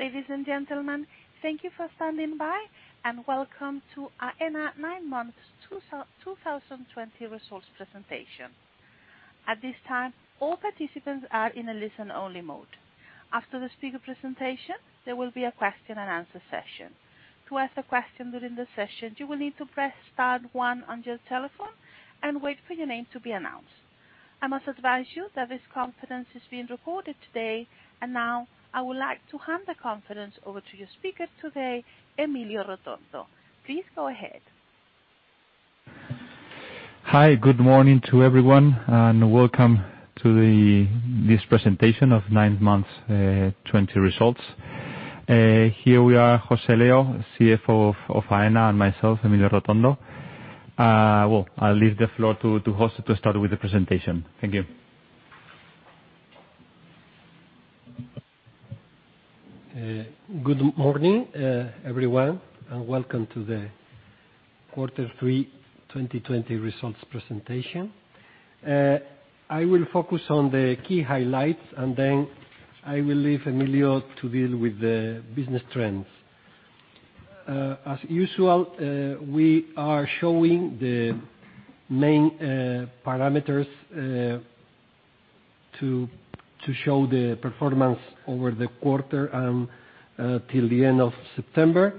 Ladies and gentlemen, thank you for standing by, and welcome to Aena Nine Months 2020 Results Presentation. At this time, all participants are in a listen-only mode. After the speaker presentation, there will be a question-and-answer session. To ask a question during the session, you will need to press star one on your telephone and wait for your name to be announced. I must advise you that this conference is being recorded today, and now I would like to hand the conference over to your speaker today, Emilio Rotondo. Please go ahead. Hi, good morning to everyone, and welcome to this presentation of Nine Months 2020 Results. Here we are, José Leo, CFO of Aena, and myself, Emilio Rotondo. Well, I'll leave the floor to José to start with the presentation. Thank you. Good morning, everyone, and welcome to the Quarter 3, 2020 Results Presentation. I will focus on the key highlights, and then I will leave Emilio to deal with the business trends. As usual, we are showing the main parameters to show the performance over the quarter and till the end of September.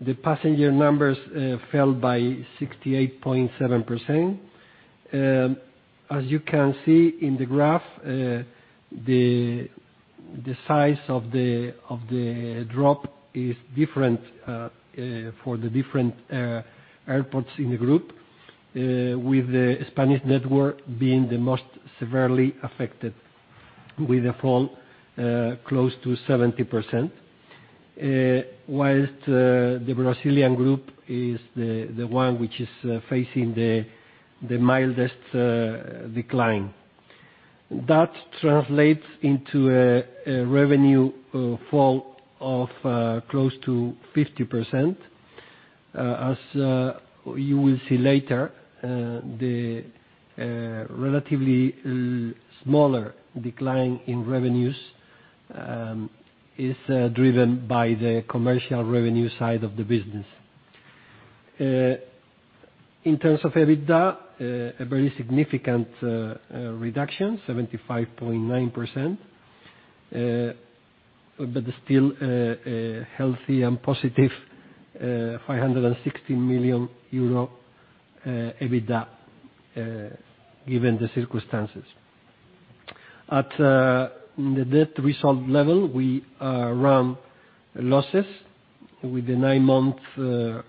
The passenger numbers fell by 68.7%. As you can see in the graph, the size of the drop is different for the different airports in the group, with the Spanish network being the most severely affected, with a fall close to 70%, whilst the Brazilian group is the one which is facing the mildest decline. That translates into a revenue fall of close to 50%. As you will see later, the relatively smaller decline in revenues is driven by the commercial revenue side of the business. In terms of EBITDA, a very significant reduction, 75.9%, but still a healthy and positive 560 million euro EBITDA given the circumstances. At the net result level, we run losses with the nine-month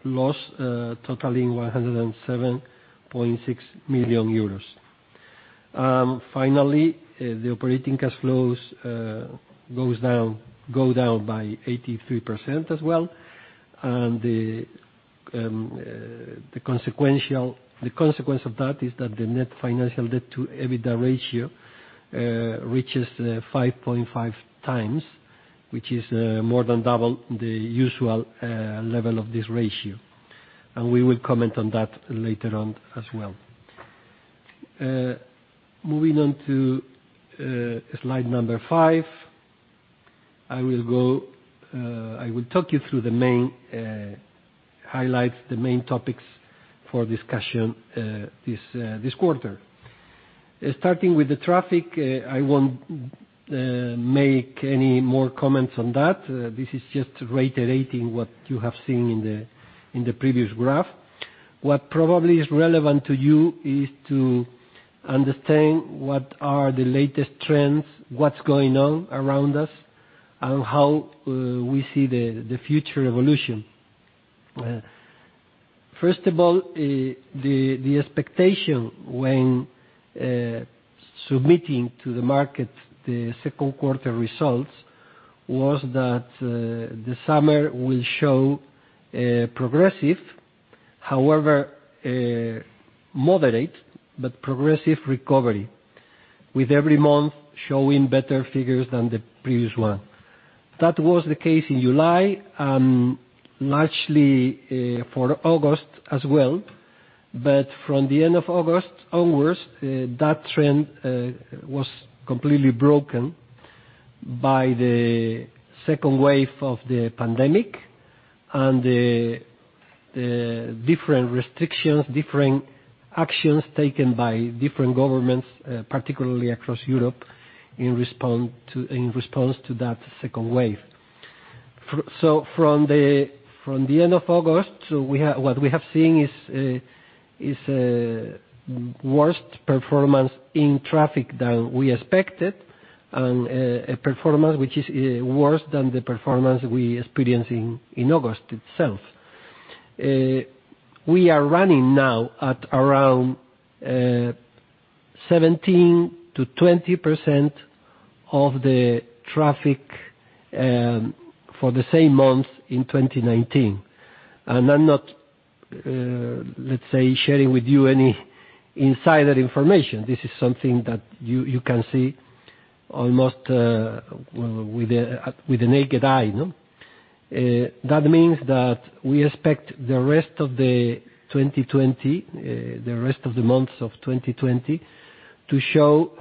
loss totaling 107.6 million euros. Finally, the operating cash flows go down by 83% as well, and the consequence of that is that the net financial debt-to-EBITDA ratio reaches 5.5 times, which is more than double the usual level of this ratio. We will comment on that later on as well. Moving on to slide number five, I will walk you through the main highlights, the main topics for discussion this quarter. Starting with the traffic, I won't make any more comments on that. This is just reiterating what you have seen in the previous graph. What probably is relevant to you is to understand what are the latest trends, what's going on around us, and how we see the future evolution. First of all, the expectation when submitting to the market the second quarter results was that the summer will show progressive, however moderate, but progressive recovery, with every month showing better figures than the previous one. That was the case in July and largely for August as well, but from the end of August onwards, that trend was completely broken by the second wave of the pandemic and the different restrictions, different actions taken by different governments, particularly across Europe, in response to that second wave. So from the end of August, what we have seen is worst performance in traffic than we expected, and a performance which is worse than the performance we experienced in August itself. We are running now at around 17% to 20% of the traffic for the same month in 2019, and I'm not, let's say, sharing with you any insider information. This is something that you can see almost with the naked eye. That means that we expect the rest of the 2020, the rest of the months of 2020, to show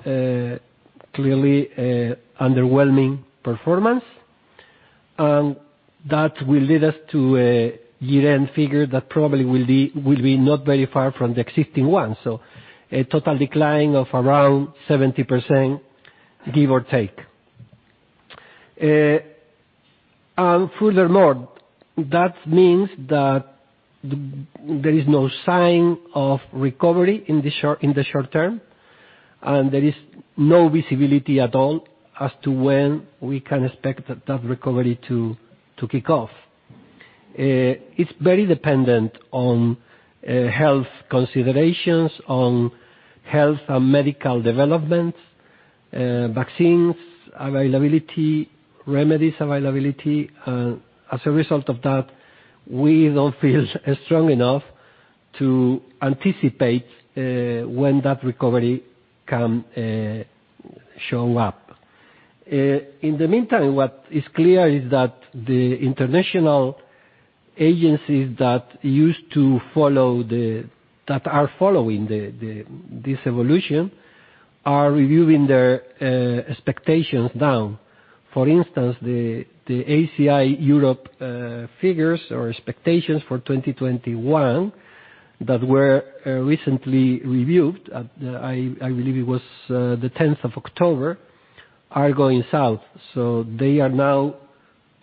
clearly underwhelming performance, and that will lead us to a year-end figure that probably will be not very far from the existing one, so a total decline of around 70%, give or take, and furthermore, that means that there is no sign of recovery in the short term, and there is no visibility at all as to when we can expect that recovery to kick off. It's very dependent on health considerations, on health and medical developments, vaccines availability, remedies availability, and as a result of that, we don't feel strong enough to anticipate when that recovery can show up. In the meantime, what is clear is that the international agencies that used to follow, that are following this evolution, are reviewing their expectations now. For instance, the ACI Europe figures or expectations for 2021 that were recently reviewed, I believe it was the 10th of October, are going south. So they are now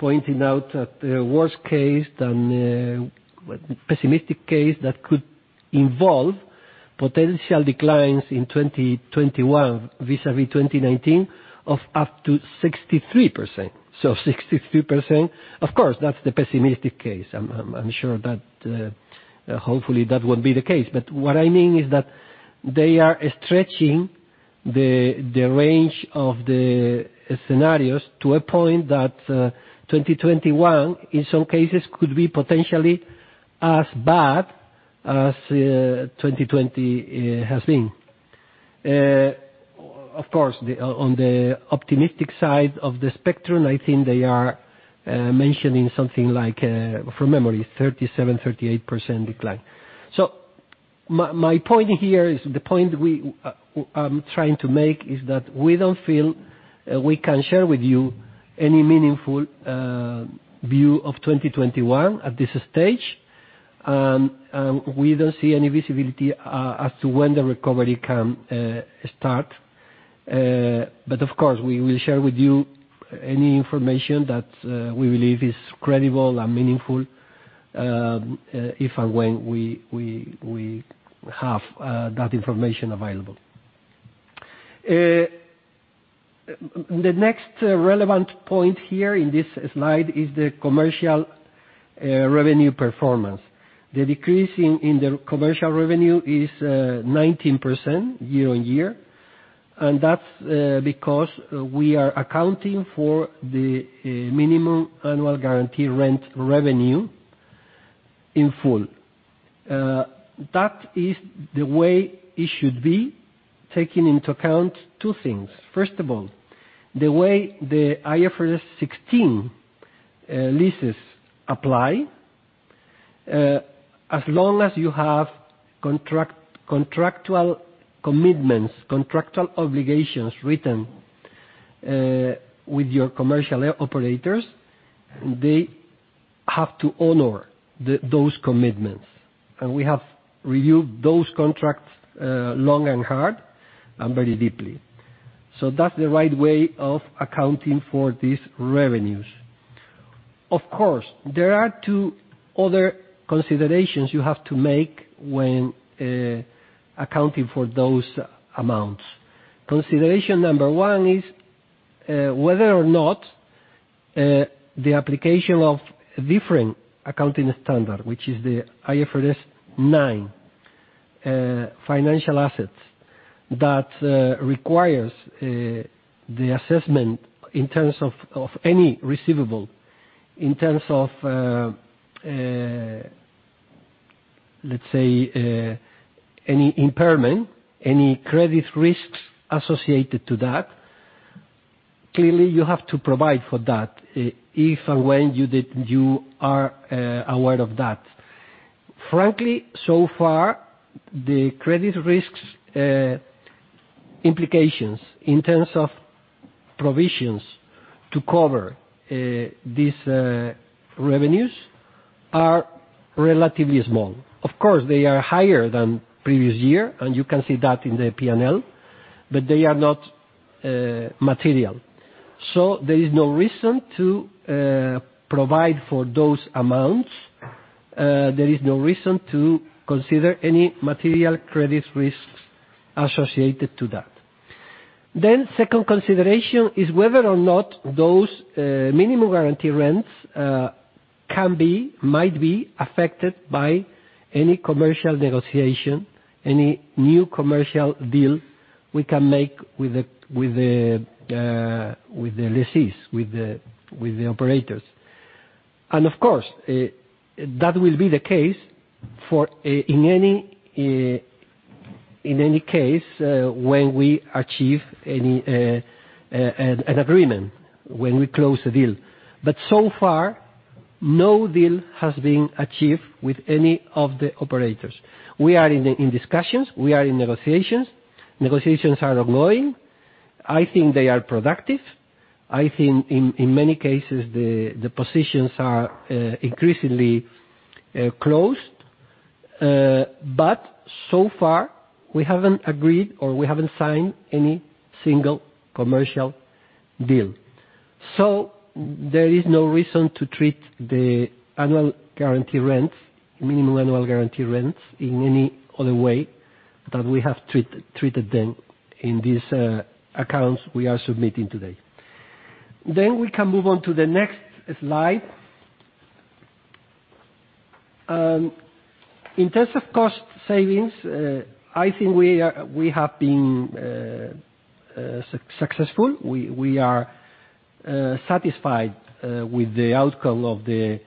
pointing out the worst case than the pessimistic case that could involve potential declines in 2021 vis-à-vis 2019 of up to 63%. So 63%, of course, that's the pessimistic case. I'm sure that hopefully that won't be the case. But what I mean is that they are stretching the range of the scenarios to a point that 2021, in some cases, could be potentially as bad as 2020 has been. Of course, on the optimistic side of the spectrum, I think they are mentioning something like, from memory, 37% to 38% decline. So my point here is the point I'm trying to make is that we don't feel we can share with you any meaningful view of 2021 at this stage, and we don't see any visibility as to when the recovery can start. But of course, we will share with you any information that we believe is credible and meaningful if and when we have that information available. The next relevant point here in this slide is the commercial revenue performance. The decrease in the commercial revenue is 19% year on year, and that's because we are accounting for the minimum annual guaranteed rent revenue in full. That is the way it should be, taking into account two things. First of all, the way the IFRS 16 leases apply, as long as you have contractual commitments, contractual obligations written with your commercial operators, they have to honor those commitments. And we have reviewed those contracts long and hard and very deeply. So that's the right way of accounting for these revenues. Of course, there are two other considerations you have to make when accounting for those amounts. Consideration number one is whether or not the application of a different accounting standard, which is the IFRS 9, financial assets, that requires the assessment in terms of any receivable, in terms of, let's say, any impairment, any credit risks associated to that. Clearly, you have to provide for that if and when you are aware of that. Frankly, so far, the credit risks implications in terms of provisions to cover these revenues are relatively small. Of course, they are higher than previous year, and you can see that in the P&L, but they are not material. So there is no reason to provide for those amounts. There is no reason to consider any material credit risks associated to that. Then second consideration is whether or not those minimum guaranteed rents can be, might be affected by any commercial negotiation, any new commercial deal we can make with the lessees, with the operators, and of course, that will be the case in any case when we achieve an agreement, when we close a deal, but so far, no deal has been achieved with any of the operators. We are in discussions. We are in negotiations. Negotiations are ongoing. I think they are productive. I think in many cases, the positions are increasingly closed. But so far, we haven't agreed or we haven't signed any single commercial deal. So there is no reason to treat the annual guaranteed rents, minimum annual guaranteed rents, in any other way that we have treated them in these accounts we are submitting today. Then we can move on to the next slide. In terms of cost savings, I think we have been successful. We are satisfied with the outcome of the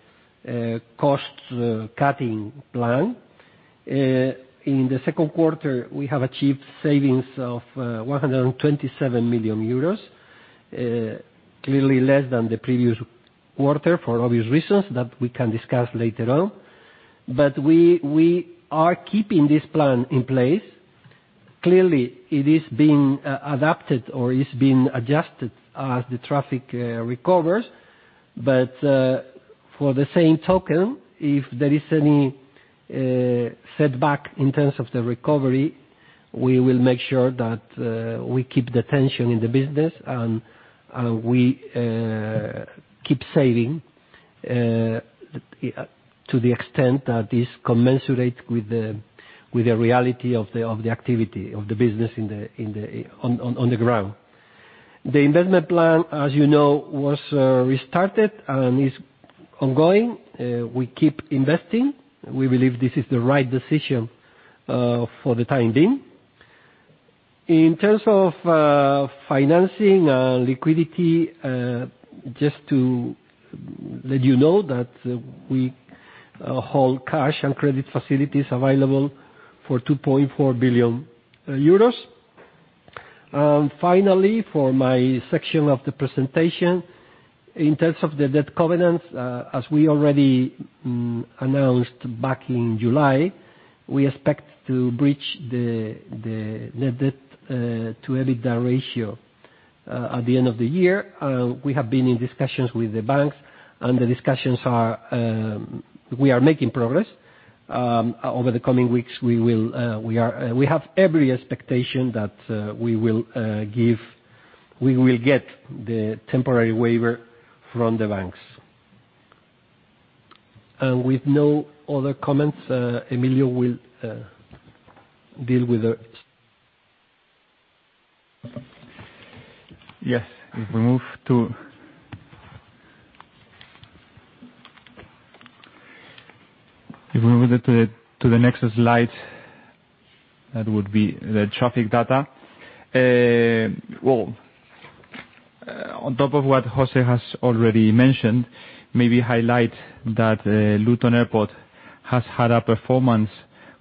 cost-cutting plan. In the second quarter, we have achieved savings of 127 million euros, clearly less than the previous quarter for obvious reasons that we can discuss later on. But we are keeping this plan in place. Clearly, it is being adapted or is being adjusted as the traffic recovers. But for the same token, if there is any setback in terms of the recovery, we will make sure that we keep the tension in the business and we keep saving to the extent that is commensurate with the reality of the activity of the business on the ground. The investment plan, as you know, was restarted and is ongoing. We keep investing. We believe this is the right decision for the time being. In terms of financing and liquidity, just to let you know that we hold cash and credit facilities available for 2.4 billion euros. And finally, for my section of the presentation, in terms of the debt covenants, as we already announced back in July, we expect to breach the net debt-to-EBITDA ratio at the end of the year. We have been in discussions with the banks, and the discussions are we are making progress. Over the coming weeks, we have every expectation that we will get the temporary waiver from the banks. And with no other comments, Emilio will deal with the. Yes. If we move to the next slide, that would be the traffic data. Well, on top of what José has already mentioned, maybe highlight that Luton Airport has had a performance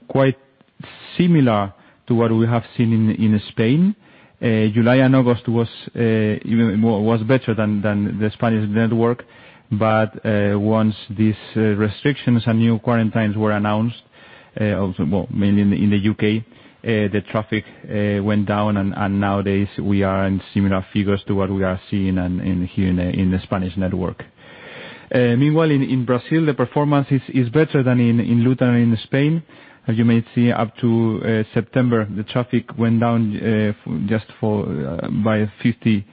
quite similar to what we have seen in Spain. July and August was better than the Spanish network, but once these restrictions and new quarantines were announced, well, mainly in the U.K., the traffic went down, and nowadays we are in similar figures to what we are seeing here in the Spanish network. Meanwhile, in Brazil, the performance is better than in Luton and in Spain. As you may see, up to September, the traffic went down just by 53%,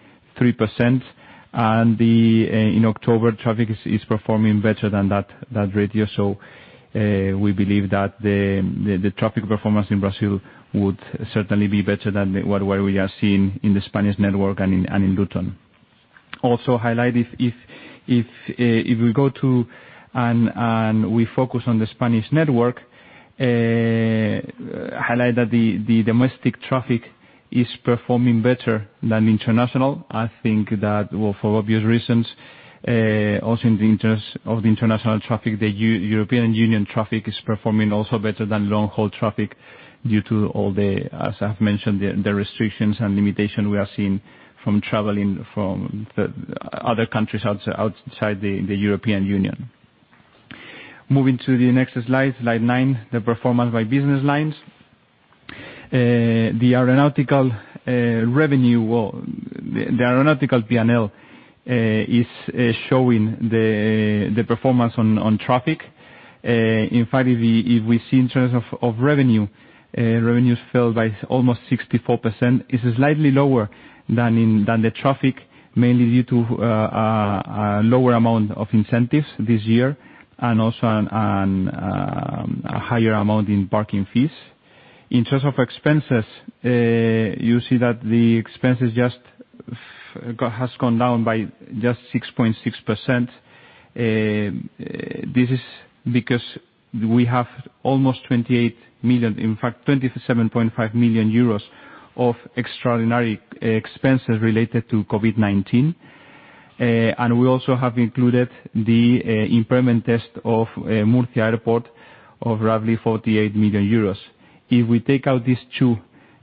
and in October, traffic is performing better than that ratio. We believe that the traffic performance in Brazil would certainly be better than what we are seeing in the Spanish network and in Luton. Also, highlight, if we go to and we focus on the Spanish network, highlight that the domestic traffic is performing better than international. I think that, well, for obvious reasons, also in terms of the international traffic, the European Union traffic is performing also better than long-haul traffic due to all the, as I've mentioned, the restrictions and limitations we are seeing from traveling from other countries outside the European Union. Moving to the next slide, Slide 9, the performance by business lines. The aeronautical revenue, well, the aeronautical P&L is showing the performance on traffic. In fact, if we see in terms of revenue, revenues fell by almost 64%. It's slightly lower than the traffic, mainly due to a lower amount of incentives this year and also a higher amount in parking fees. In terms of expenses, you see that the expenses just has gone down by just 6.6%. This is because we have almost 28 million, in fact, 27.5 million euros of extraordinary expenses related to COVID-19. And we also have included the impairment test of Murcia Airport of roughly 48 million euros. If we take out these two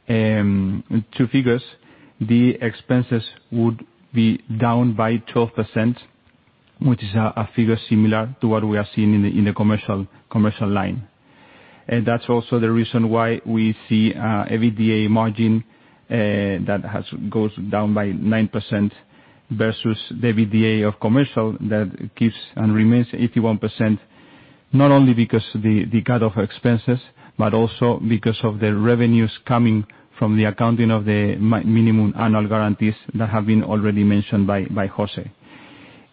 figures, the expenses would be down by 12%, which is a figure similar to what we are seeing in the commercial line. That's also the reason why we see an EBITDA margin that goes down by 9% versus the EBITDA of commercial that keeps and remains 81%, not only because of the cut of expenses, but also because of the revenues coming from the accounting of the minimum annual guarantees that have been already mentioned by José.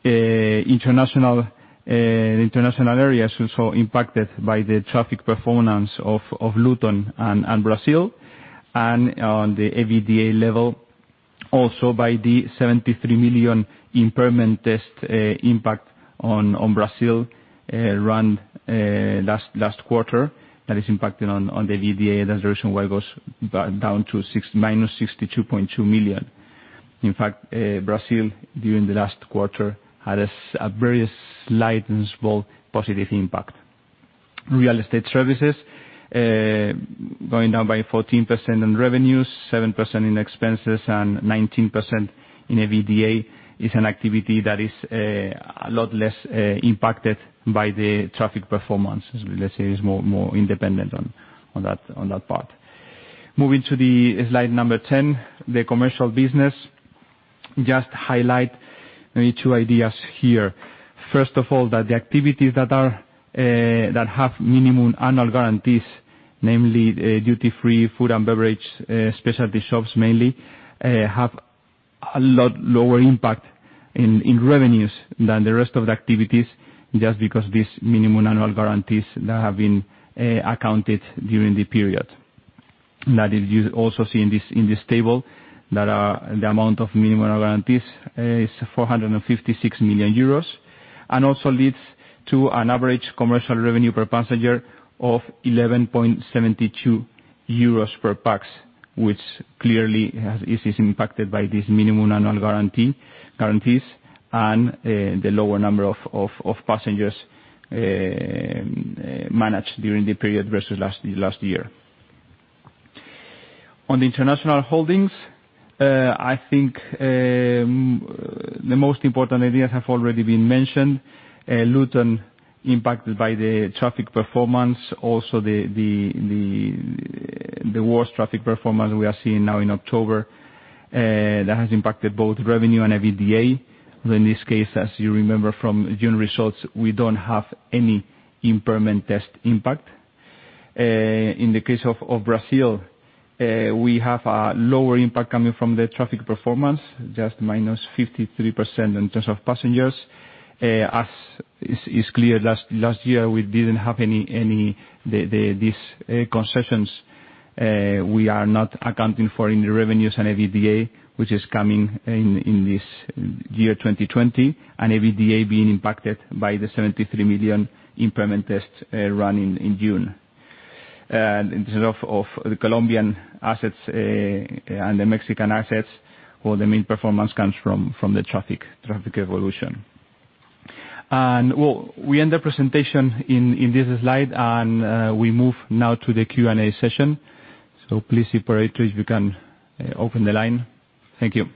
The international area is also impacted by the traffic performance of Luton and Brazil, and on the EBITDA level, also by the 73 million impairment test impact on Brazil run last quarter that is impacting on the EBITDA, and that's the reason why it goes down to -62.2 million. In fact, Brazil, during the last quarter, had a very slight and small positive impact. Real estate services going down by 14% in revenues, 7% in expenses, and 19% in EBITDA is an activity that is a lot less impacted by the traffic performance. Let's say it's more independent on that part. Moving to the Slide number 10, the commercial business. Just highlight maybe two ideas here. First of all, that the activities that have minimum annual guarantees, namely duty-free food and beverage specialty shops mainly, have a lot lower impact in revenues than the rest of the activities just because of these minimum annual guarantees that have been accounted during the period. That is also seen in this table that the amount of minimum annual guarantees is 456 million euros, and also leads to an average commercial revenue per passenger of 11.72 euros per pax, which clearly is impacted by these minimum annual guarantees and the lower number of passengers managed during the period versus last year. On the international holdings, I think the most important ideas have already been mentioned. Luton impacted by the traffic performance, also the worst traffic performance we are seeing now in October that has impacted both revenue and EBITDA. In this case, as you remember from June results, we don't have any impairment test impact. In the case of Brazil, we have a lower impact coming from the traffic performance, just -53% in terms of passengers. As it's clear, last year we didn't have any of these concessions. We are not accounting for any revenues on EBITDA, which is coming in this year 2020, and EBITDA being impacted by the 73 million impairment test run in June. In terms of the Colombian assets and the Mexican assets, well, the main performance comes from the traffic evolution, and well, we end the presentation in this slide, and we move now to the Q&A session, so please, if you're ready, you can open the line. Thank you.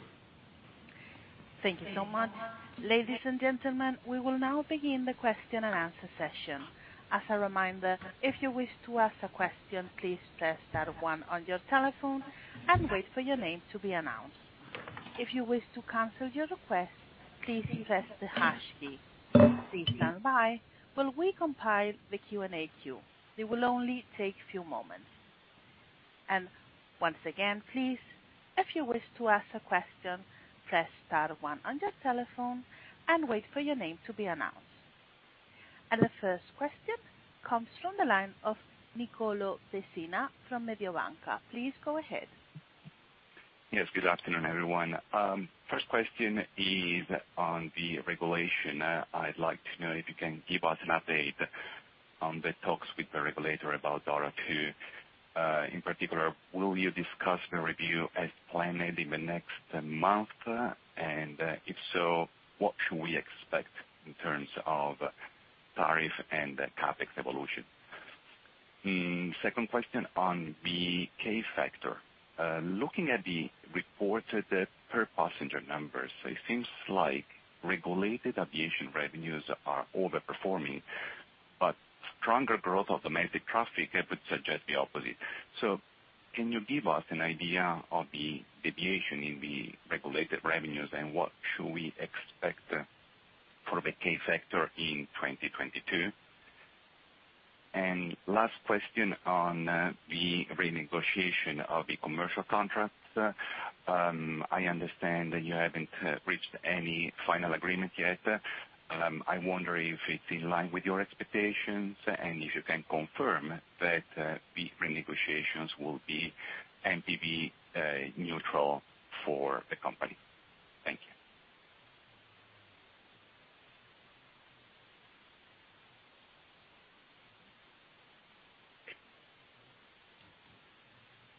Thank you so much. Ladies and gentlemen, we will now begin the question and answer session. As a reminder, if you wish to ask a question, please press star one on your telephone and wait for your name to be announced. If you wish to cancel your request, please press the hash key. Please stand by while we compile the Q&A queue. It will only take a few moments. And once again, please, if you wish to ask a question, press star one on your telephone and wait for your name to be announced. And the first question comes from the line of Nicolò Pessina from Mediobanca. Please go ahead. Yes. Good afternoon, everyone. First question is on the regulation. I'd like to know if you can give us an update on the talks with the regulator about DORA 2. In particular, will you discuss the review as planned in the next month? And if so, what should we expect in terms of tariff and CapEx evolution? Second question on the K factor. Looking at the reported per-passenger numbers, it seems like regulated aviation revenues are overperforming, but stronger growth of domestic traffic would suggest the opposite. So can you give us an idea of the deviation in the regulated revenues and what should we expect for the K factor in 2022? And last question on the renegotiation of the commercial contracts. I understand that you haven't reached any final agreement yet. I wonder if it's in line with your expectations and if you can confirm that the renegotiations will be NPV neutral for the company. Thank you.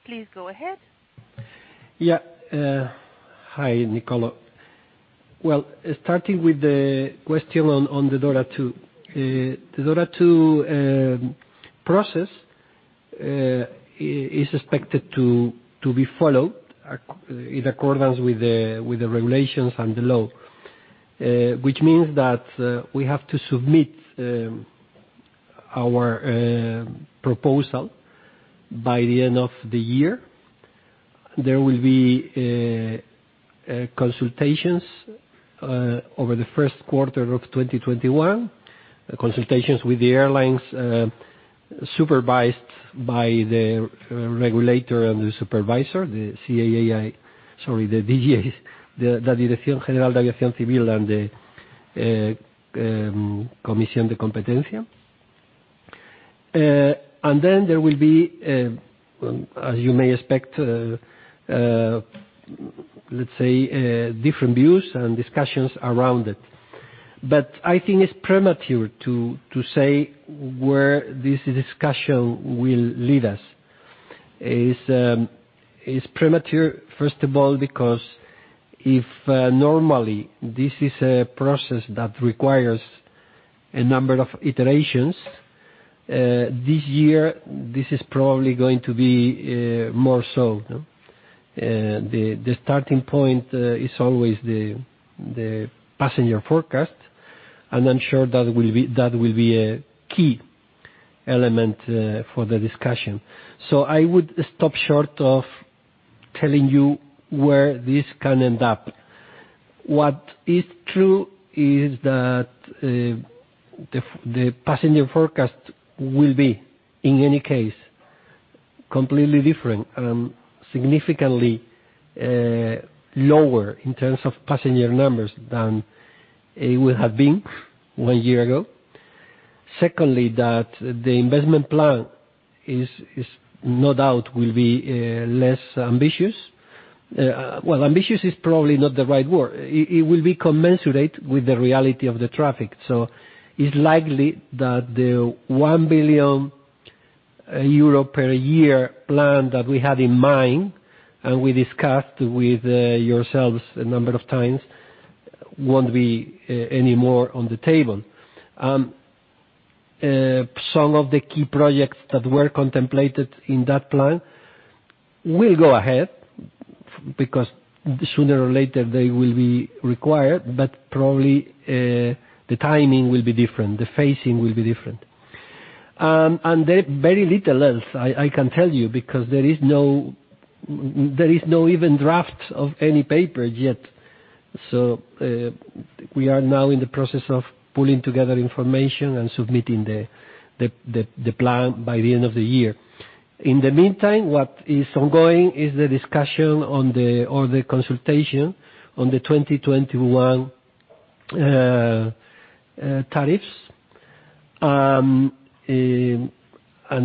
Please go ahead. Yeah. Hi, Nicolò. Well, starting with the question on the DORA 2. The DORA 2 process is expected to be followed in accordance with the regulations and the law, which means that we have to submit our proposal by the end of the year. There will be consultations over the first quarter of 2021, consultations with the airlines supervised by the regulator and the supervisor, the Dirección General de Aviación Civil and the Comisión de Competencia. And then there will be, as you may expect, let's say, different views and discussions around it. But I think it's premature to say where this discussion will lead us. It's premature, first of all, because if normally this is a process that requires a number of iterations, this year this is probably going to be more so. The starting point is always the passenger forecast, and I'm sure that will be a key element for the discussion. So I would stop short of telling you where this can end up. What is true is that the passenger forecast will be, in any case, completely different and significantly lower in terms of passenger numbers than it would have been one year ago. Secondly, that the investment plan is, no doubt, will be less ambitious. Well, ambitious is probably not the right word. It will be commensurate with the reality of the traffic. So it's likely that the 1 billion euro per year plan that we had in mind and we discussed with yourselves a number of times won't be any more on the table. Some of the key projects that were contemplated in that plan will go ahead because sooner or later they will be required, but probably the timing will be different. The phasing will be different. And very little else I can tell you because there is no even draft of any paper yet. So we are now in the process of pulling together information and submitting the plan by the end of the year. In the meantime, what is ongoing is the discussion or the consultation on the 2021 tariffs, and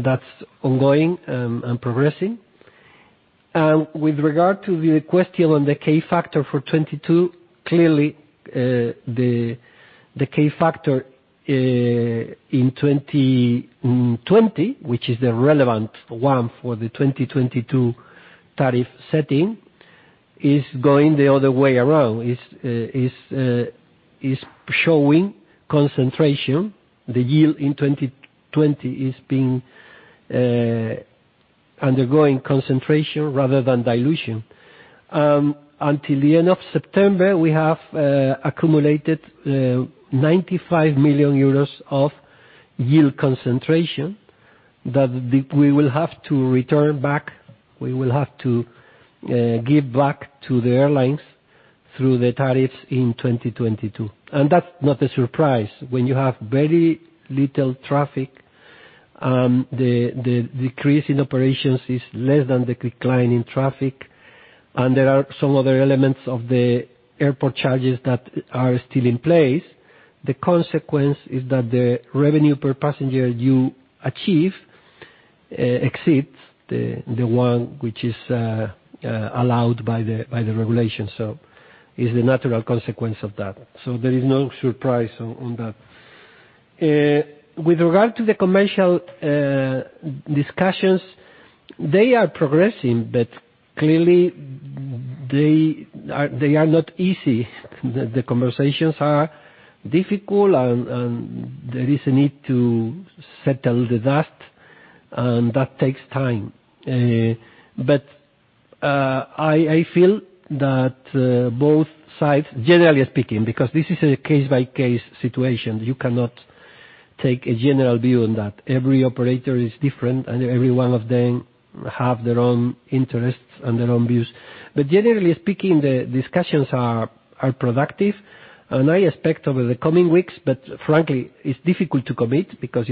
that's ongoing and progressing. And with regard to the question on the K factor for 2022, clearly the K factor in 2020, which is the relevant one for the 2022 tariff setting, is going the other way around. It's showing concentration. The yield in 2020 is undergoing concentration rather than dilution. Until the end of September, we have accumulated 95 million euros of yield concentration that we will have to return back. We will have to give back to the airlines through the tariffs in 2022, and that's not a surprise. When you have very little traffic, the decrease in operations is less than the decline in traffic, and there are some other elements of the airport charges that are still in place. The consequence is that the revenue per passenger you achieve exceeds the one which is allowed by the regulation, so it's the natural consequence of that, so there is no surprise on that. With regard to the commercial discussions, they are progressing, but clearly they are not easy. The conversations are difficult, and there is a need to settle the dust, and that takes time. But I feel that both sides, generally speaking, because this is a case-by-case situation, you cannot take a general view on that. Every operator is different, and every one of them has their own interests and their own views, but generally speaking, the discussions are productive, and I expect over the coming weeks, but frankly, it's difficult to commit because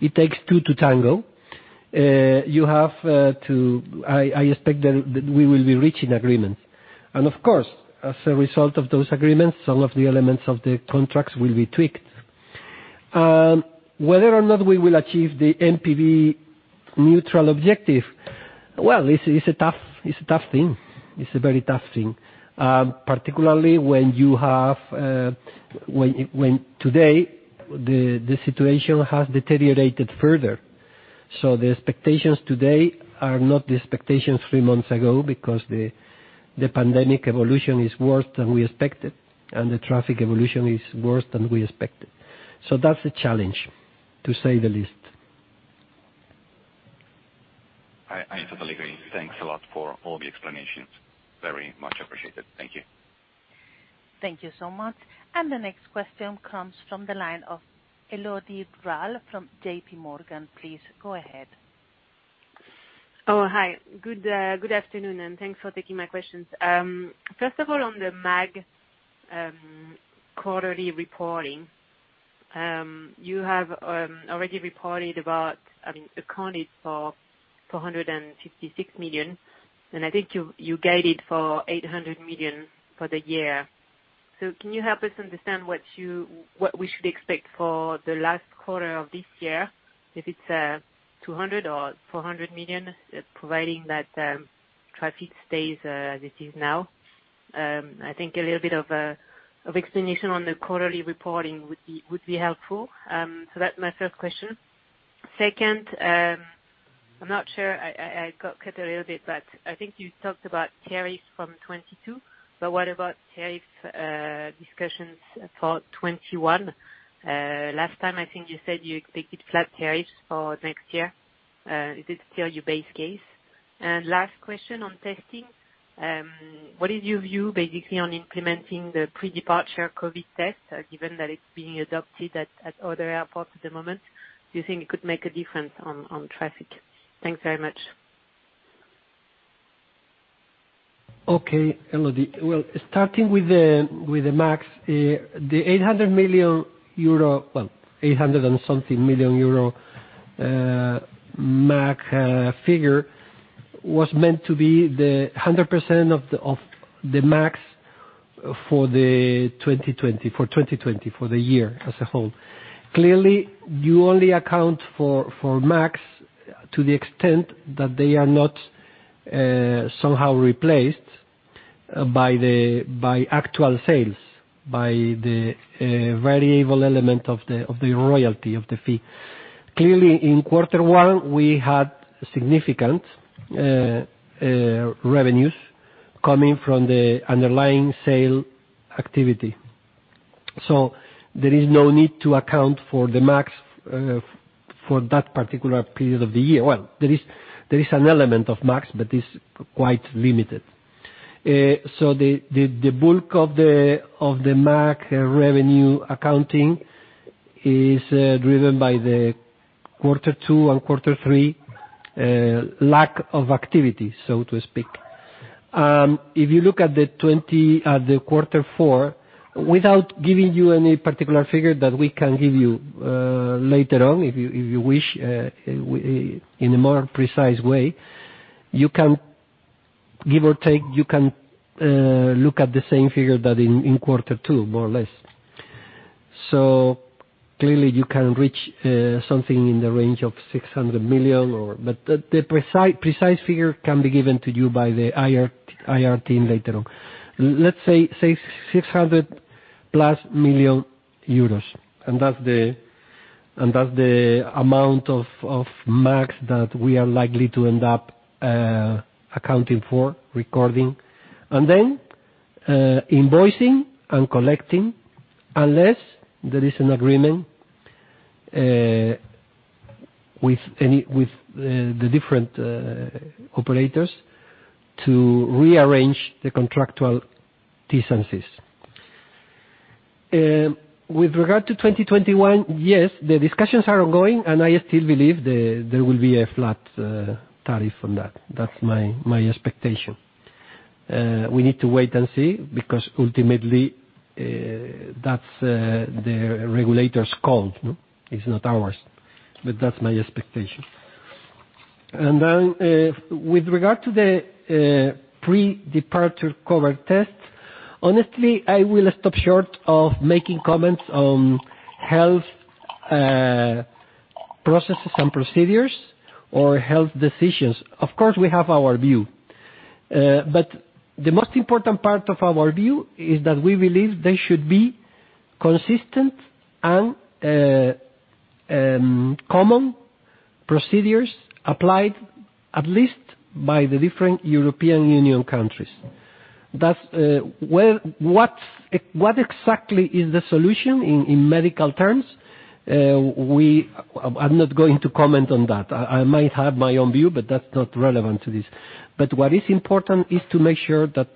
it takes two to tango. I expect that we will be reaching agreements, and of course, as a result of those agreements, some of the elements of the contracts will be tweaked. Whether or not we will achieve the NPV neutral objective, well, it's a tough thing. It's a very tough thing, particularly when today the situation has deteriorated further, so the expectations today are not the expectations three months ago because the pandemic evolution is worse than we expected, and the traffic evolution is worse than we expected. So that's a challenge, to say the least. I totally agree. Thanks a lot for all the explanations. Very much appreciated. Thank you. Thank you so much. And the next question comes from the line of Elodie Rall from J.P. Morgan. Please go ahead. Oh, hi. Good afternoon, and thanks for taking my questions. First of all, on the MAG quarterly reporting, you have already reported about, I mean, accounted for 456 million, and I think you guided for 800 million for the year. So can you help us understand what we should expect for the last quarter of this year, if it's 200 or 400 million, providing that traffic stays as it is now? I think a little bit of explanation on the quarterly reporting would be helpful. So that's my first question. Second, I'm not sure I got cut a little bit, but I think you talked about tariffs from 2022, but what about tariff discussions for 2021? Last time, I think you said you expected flat tariffs for next year. Is it still your base case? And last question on testing. What is your view, basically, on implementing the pre-departure COVID test, given that it's being adopted at other airports at the moment? Do you think it could make a difference on traffic? Thanks very much. Okay, Elodie. Well, starting with the MAG, the 800 million euro, well, 800 and something million MAG figure was meant to be 100% of the MAG for 2020, for the year as a whole. Clearly, you only account for MAG to the extent that they are not somehow replaced by actual sales, by the variable element of the royalty of the fee. Clearly, in quarter one, we had significant revenues coming from the underlying sale activity. So there is no need to account for the MAG for that particular period of the year. Well, there is an element of MAG, but it's quite limited. So the bulk of the MAG revenue accounting is driven by the quarter two and quarter three lack of activity, so to speak. If you look at the quarter four, without giving you any particular figure that we can give you later on, if you wish, in a more precise way, you can, give or take, you can look at the same figure that in quarter two, more or less. So clearly, you can reach something in the range of 600 million, but the precise figure can be given to you by the IR team later on. Let's say 600+ million euros, and that's the amount of MAG that we are likely to end up accounting for, recording, and then invoicing and collecting unless there is an agreement with the different operators to rearrange the contractual terms. With regard to 2021, yes, the discussions are ongoing, and I still believe there will be a flat tariff on that. That's my expectation. We need to wait and see because ultimately that's the regulator's call. It's not ours, but that's my expectation. And then with regard to the pre-departure COVID test, honestly, I will stop short of making comments on health processes and procedures or health decisions. Of course, we have our view, but the most important part of our view is that we believe there should be consistent and common procedures applied at least by the different European Union countries. What exactly is the solution in medical terms? I'm not going to comment on that. I might have my own view, but that's not relevant to this. But what is important is to make sure that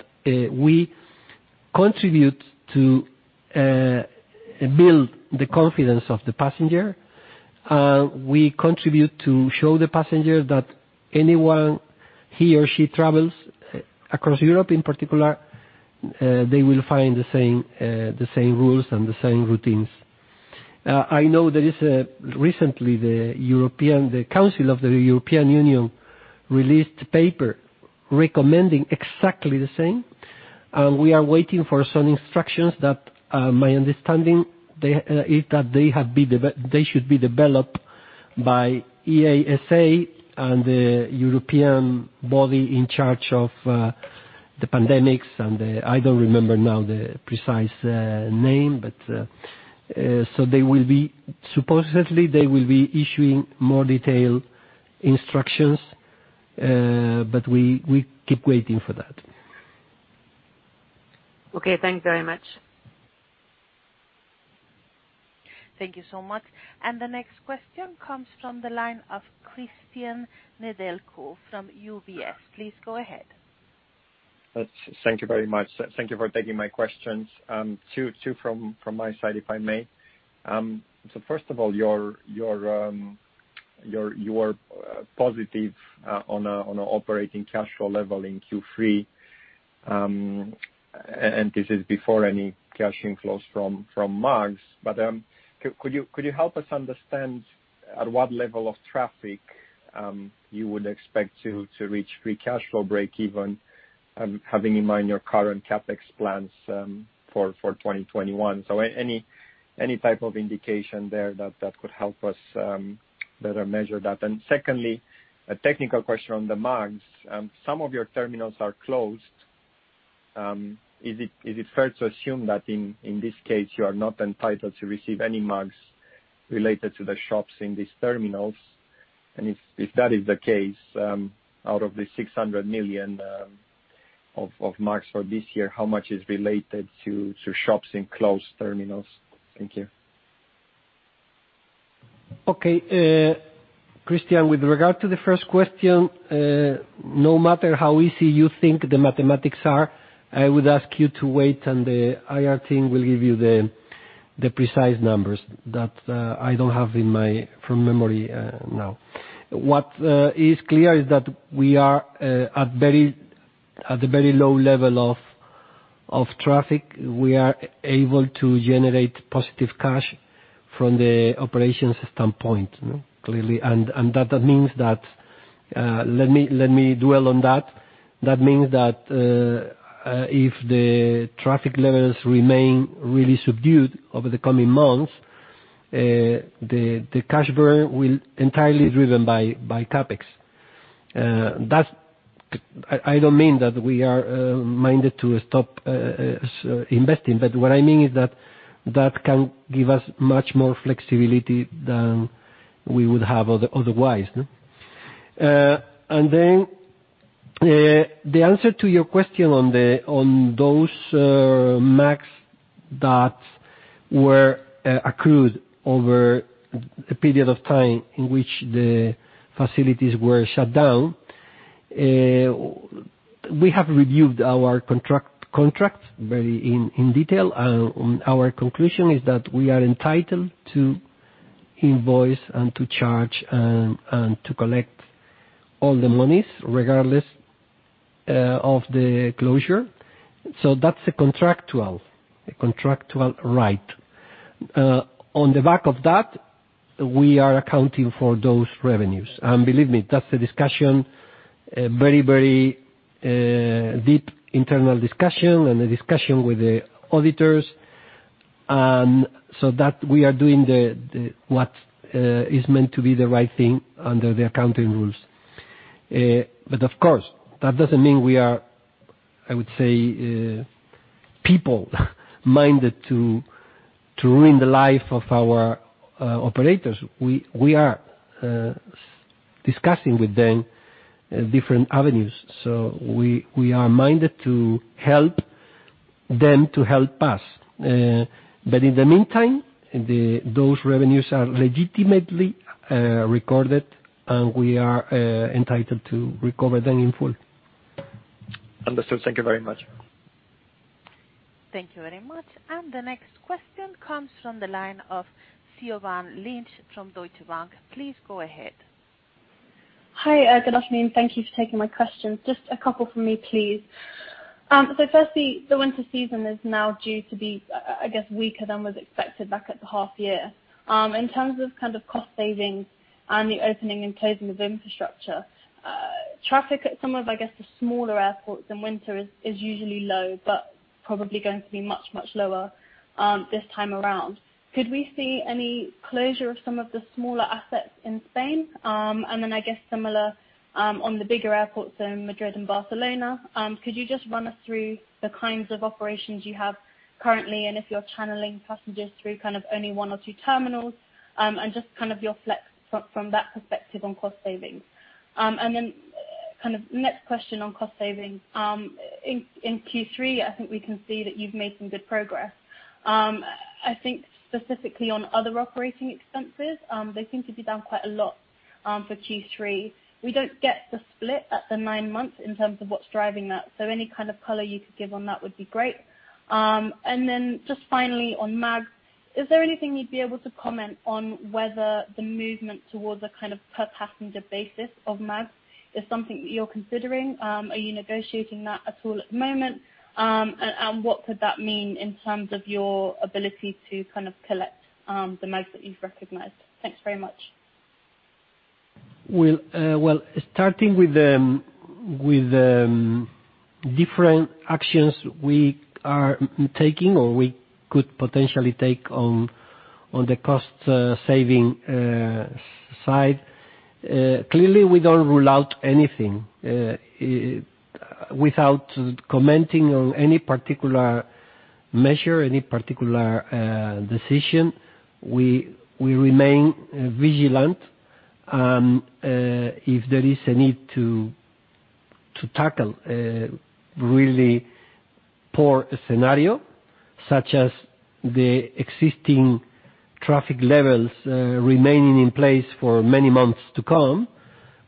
we contribute to build the confidence of the passenger. We contribute to show the passenger that anyone, he or she travels across Europe in particular, they will find the same rules and the same routines. I know that recently the Council of the European Union released a paper recommending exactly the same, and we are waiting for some instructions that, my understanding, is that they should be developed by EASA and the European body in charge of the pandemics, and I don't remember now the precise name, but so they will be supposedly issuing more detailed instructions, but we keep waiting for that. Okay. Thanks very much. Thank you so much. And the next question comes from the line of Cristian Nedelcu from UBS. Please go ahead. Thank you very much. Thank you for taking my questions. Two from my side, if I may. So first of all, your positive on an operating cash flow level in Q3, and this is before any cash inflows from MAG, but could you help us understand at what level of traffic you would expect to reach free cash flow breakeven, having in mind your current CapEx plans for 2021? So any type of indication there that could help us better measure that? And secondly, a technical question on the MAG. Some of your terminals are closed. Is it fair to assume that in this case, you are not entitled to receive any MAG related to the shops in these terminals? And if that is the case, out of the 600 million of MAG for this year, how much is related to shops in closed terminals? Thank you. Okay. Cristian, with regard to the first question, no matter how easy you think the mathematics are, I would ask you to wait, and the IR team will give you the precise numbers that I don't have from memory now. What is clear is that we are at the very low level of traffic. We are able to generate positive cash from the operations standpoint, clearly. And that means that let me dwell on that. That means that if the traffic levels remain really subdued over the coming months, the cash burn will be entirely driven by CapEx. I don't mean that we are minded to stop investing, but what I mean is that that can give us much more flexibility than we would have otherwise. And then the answer to your question on those MAG that were accrued over a period of time in which the facilities were shut down, we have reviewed our contract very in detail, and our conclusion is that we are entitled to invoice and to charge and to collect all the monies regardless of the closure. So that's a contractual right. On the back of that, we are accounting for those revenues. And believe me, that's a discussion, a very, very deep internal discussion and a discussion with the auditors, so that we are doing what is meant to be the right thing under the accounting rules. But of course, that doesn't mean we are, I would say, people-minded to ruin the life of our operators. We are discussing with them different avenues. So we are minded to help them to help us. But in the meantime, those revenues are legitimately recorded, and we are entitled to recover them in full. Understood. Thank you very much. Thank you very much. And the next question comes from the line of Siobhan Lynch from Deutsche Bank. Please go ahead. Hi. Good afternoon. Thank you for taking my questions. Just a couple from me, please. So firstly, the winter season is now due to be, I guess, weaker than was expected back at the half year. In terms of kind of cost savings and the opening and closing of infrastructure, traffic at some of, I guess, the smaller airports in winter is usually low, but probably going to be much, much lower this time around. Could we see any closure of some of the smaller assets in Spain? And then I guess similar on the bigger airports in Madrid and Barcelona. Could you just run us through the kinds of operations you have currently and if you're channeling passengers through kind of only one or two terminals and just kind of your flex from that perspective on cost savings? And then kind of next question on cost savings. In Q3, I think we can see that you've made some good progress. I think specifically on other operating expenses, they seem to be down quite a lot for Q3. We don't get the split at the nine months in terms of what's driving that. So any kind of color you could give on that would be great. And then just finally on MAG, is there anything you'd be able to comment on whether the movement towards a kind of per passenger basis of MAG is something that you're considering? Are you negotiating that at all at the moment? And what could that mean in terms of your ability to kind of collect the MAG that you've recognized? Thanks very much. Starting with the different actions we are taking or we could potentially take on the cost saving side, clearly, we don't rule out anything. Without commenting on any particular measure, any particular decision, we remain vigilant. If there is a need to tackle a really poor scenario, such as the existing traffic levels remaining in place for many months to come,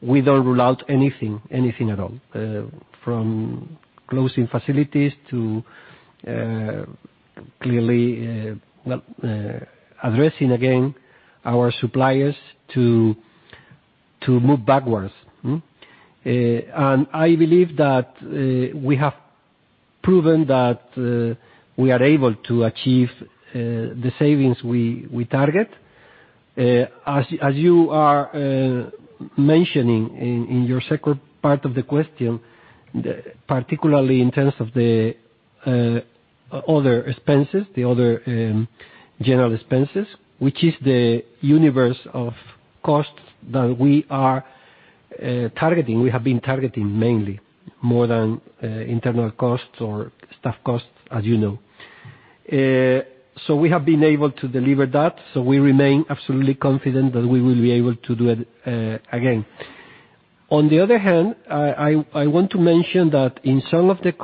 we don't rule out anything at all, from closing facilities to clearly addressing, again, our suppliers to move backwards. I believe that we have proven that we are able to achieve the savings we target. As you are mentioning in your second part of the question, particularly in terms of the other expenses, the other general expenses, which is the universe of costs that we are targeting, we have been targeting mainly more than internal costs or staff costs, as you know. We have been able to deliver that. We remain absolutely confident that we will be able to do it again. On the other hand, I want to mention that in some of the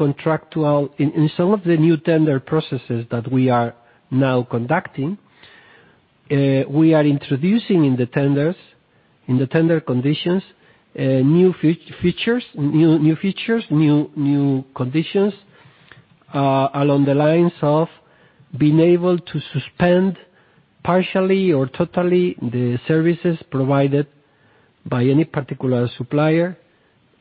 new tender processes that we are now conducting, we are introducing in the tenders, in the tender conditions, new features, new conditions along the lines of being able to suspend partially or totally the services provided by any particular supplier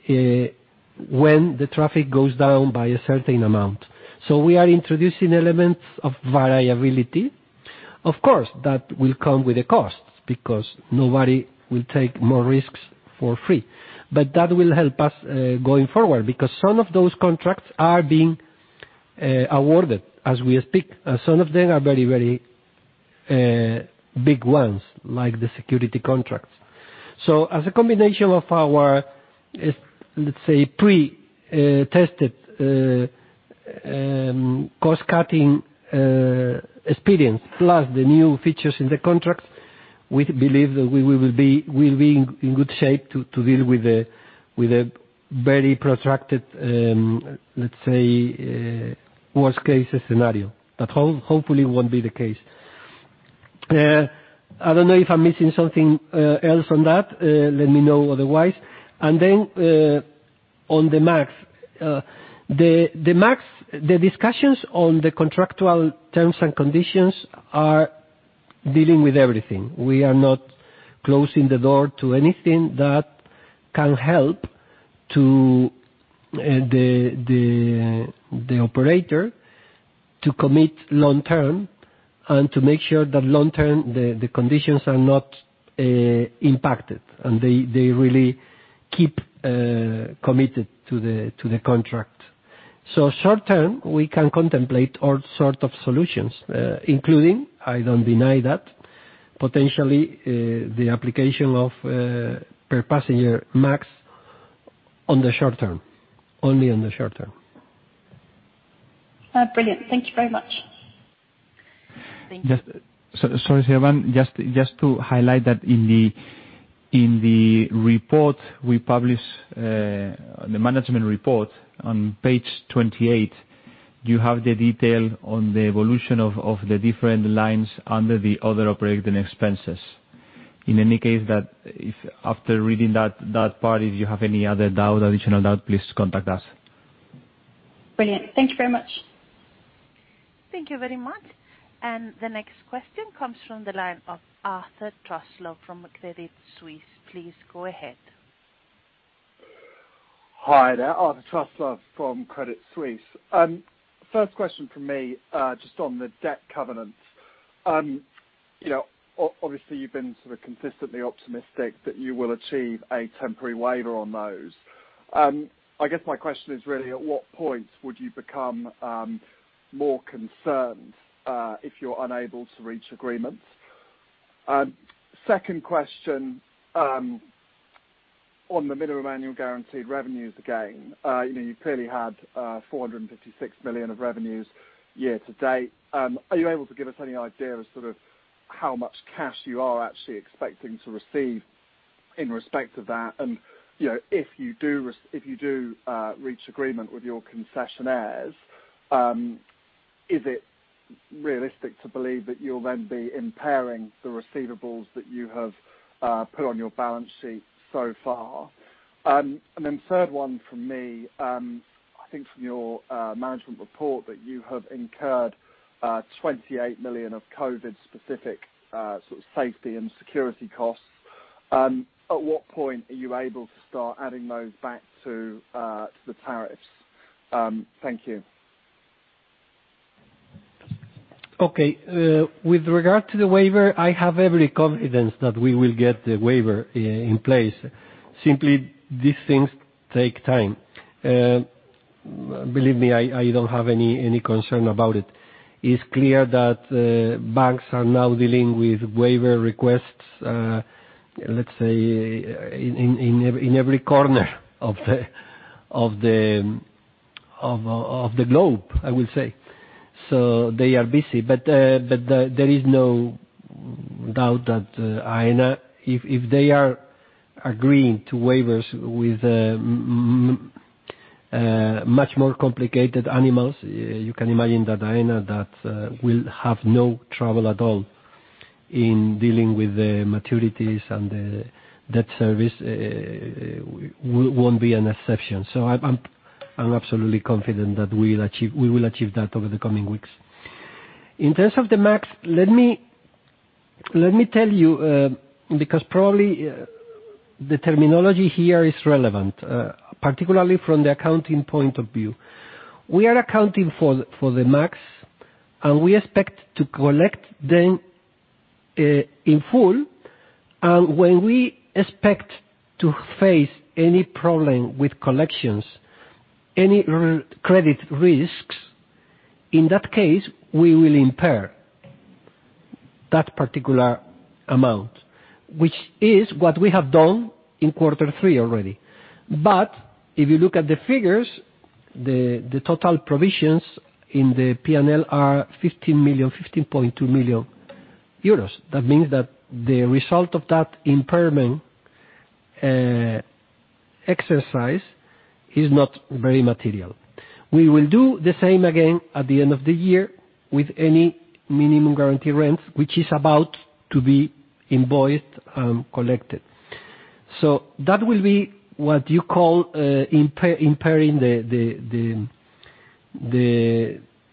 when the traffic goes down by a certain amount. We are introducing elements of variability. Of course, that will come with a cost because nobody will take more risks for free. That will help us going forward because some of those contracts are being awarded as we speak. Some of them are very, very big ones, like the security contracts. So as a combination of our, let's say, pre-tested cost-cutting experience plus the new features in the contracts, we believe that we will be in good shape to deal with a very protracted, let's say, worst-case scenario. But hopefully, it won't be the case. I don't know if I'm missing something else on that. Let me know otherwise. And then on the MAG, the discussions on the contractual terms and conditions are dealing with everything. We are not closing the door to anything that can help the operator to commit long-term and to make sure that long-term the conditions are not impacted and they really keep committed to the contract. So short-term, we can contemplate all sorts of solutions, including, I don't deny that, potentially the application of per passenger MAG on the short-term, only on the short-term. Brilliant. Thank you very much. Sorry, Siobhan. Just to highlight that in the report we published, the management report on Page 28, you have the detail on the evolution of the different lines under the other operating expenses. In any case, after reading that part, if you have any other doubt, additional doubt, please contact us. Brilliant. Thank you very much. Thank you very much. And the next question comes from the line of Arthur Truslove from Credit Suisse. Please go ahead. Hi. Arthur Truslove from Credit Suisse. First question for me just on the debt covenants. Obviously, you've been sort of consistently optimistic that you will achieve a temporary waiver on those. I guess my question is really, at what point would you become more concerned if you're unable to reach agreement? Second question on the minimum annual guaranteed revenues again. You clearly had 456 million of revenues year to date. Are you able to give us any idea of sort of how much cash you are actually expecting to receive in respect of that? And if you do reach agreement with your concessionaires, is it realistic to believe that you'll then be impairing the receivables that you have put on your balance sheet so far? And then the third one from me, I think from your management report that you have incurred 28 million of COVID-specific sort of safety and security costs. At what point are you able to start adding those back to the tariffs? Thank you. Okay. With regard to the waiver, I have every confidence that we will get the waiver in place. Simply, these things take time. Believe me, I don't have any concern about it. It's clear that banks are now dealing with waiver requests, let's say, in every corner of the globe, I will say. So they are busy. But there is no doubt that Aena, if they are agreeing to waivers with much more complicated animals, you can imagine that Aena will have no trouble at all in dealing with the maturities and the debt service. It won't be an exception. So I'm absolutely confident that we will achieve that over the coming weeks. In terms of the MAG, let me tell you, because probably the terminology here is relevant, particularly from the accounting point of view. We are accounting for the MAG, and we expect to collect them in full. And when we expect to face any problem with collections, any credit risks, in that case, we will impair that particular amount, which is what we have done in quarter three already. But if you look at the figures, the total provisions in the P&L are 15 million EUR, 15.2 million euros. That means that the result of that impairment exercise is not very material. We will do the same again at the end of the year with any minimum guaranteed rents, which is about to be invoiced and collected. So that will be what you call impairing the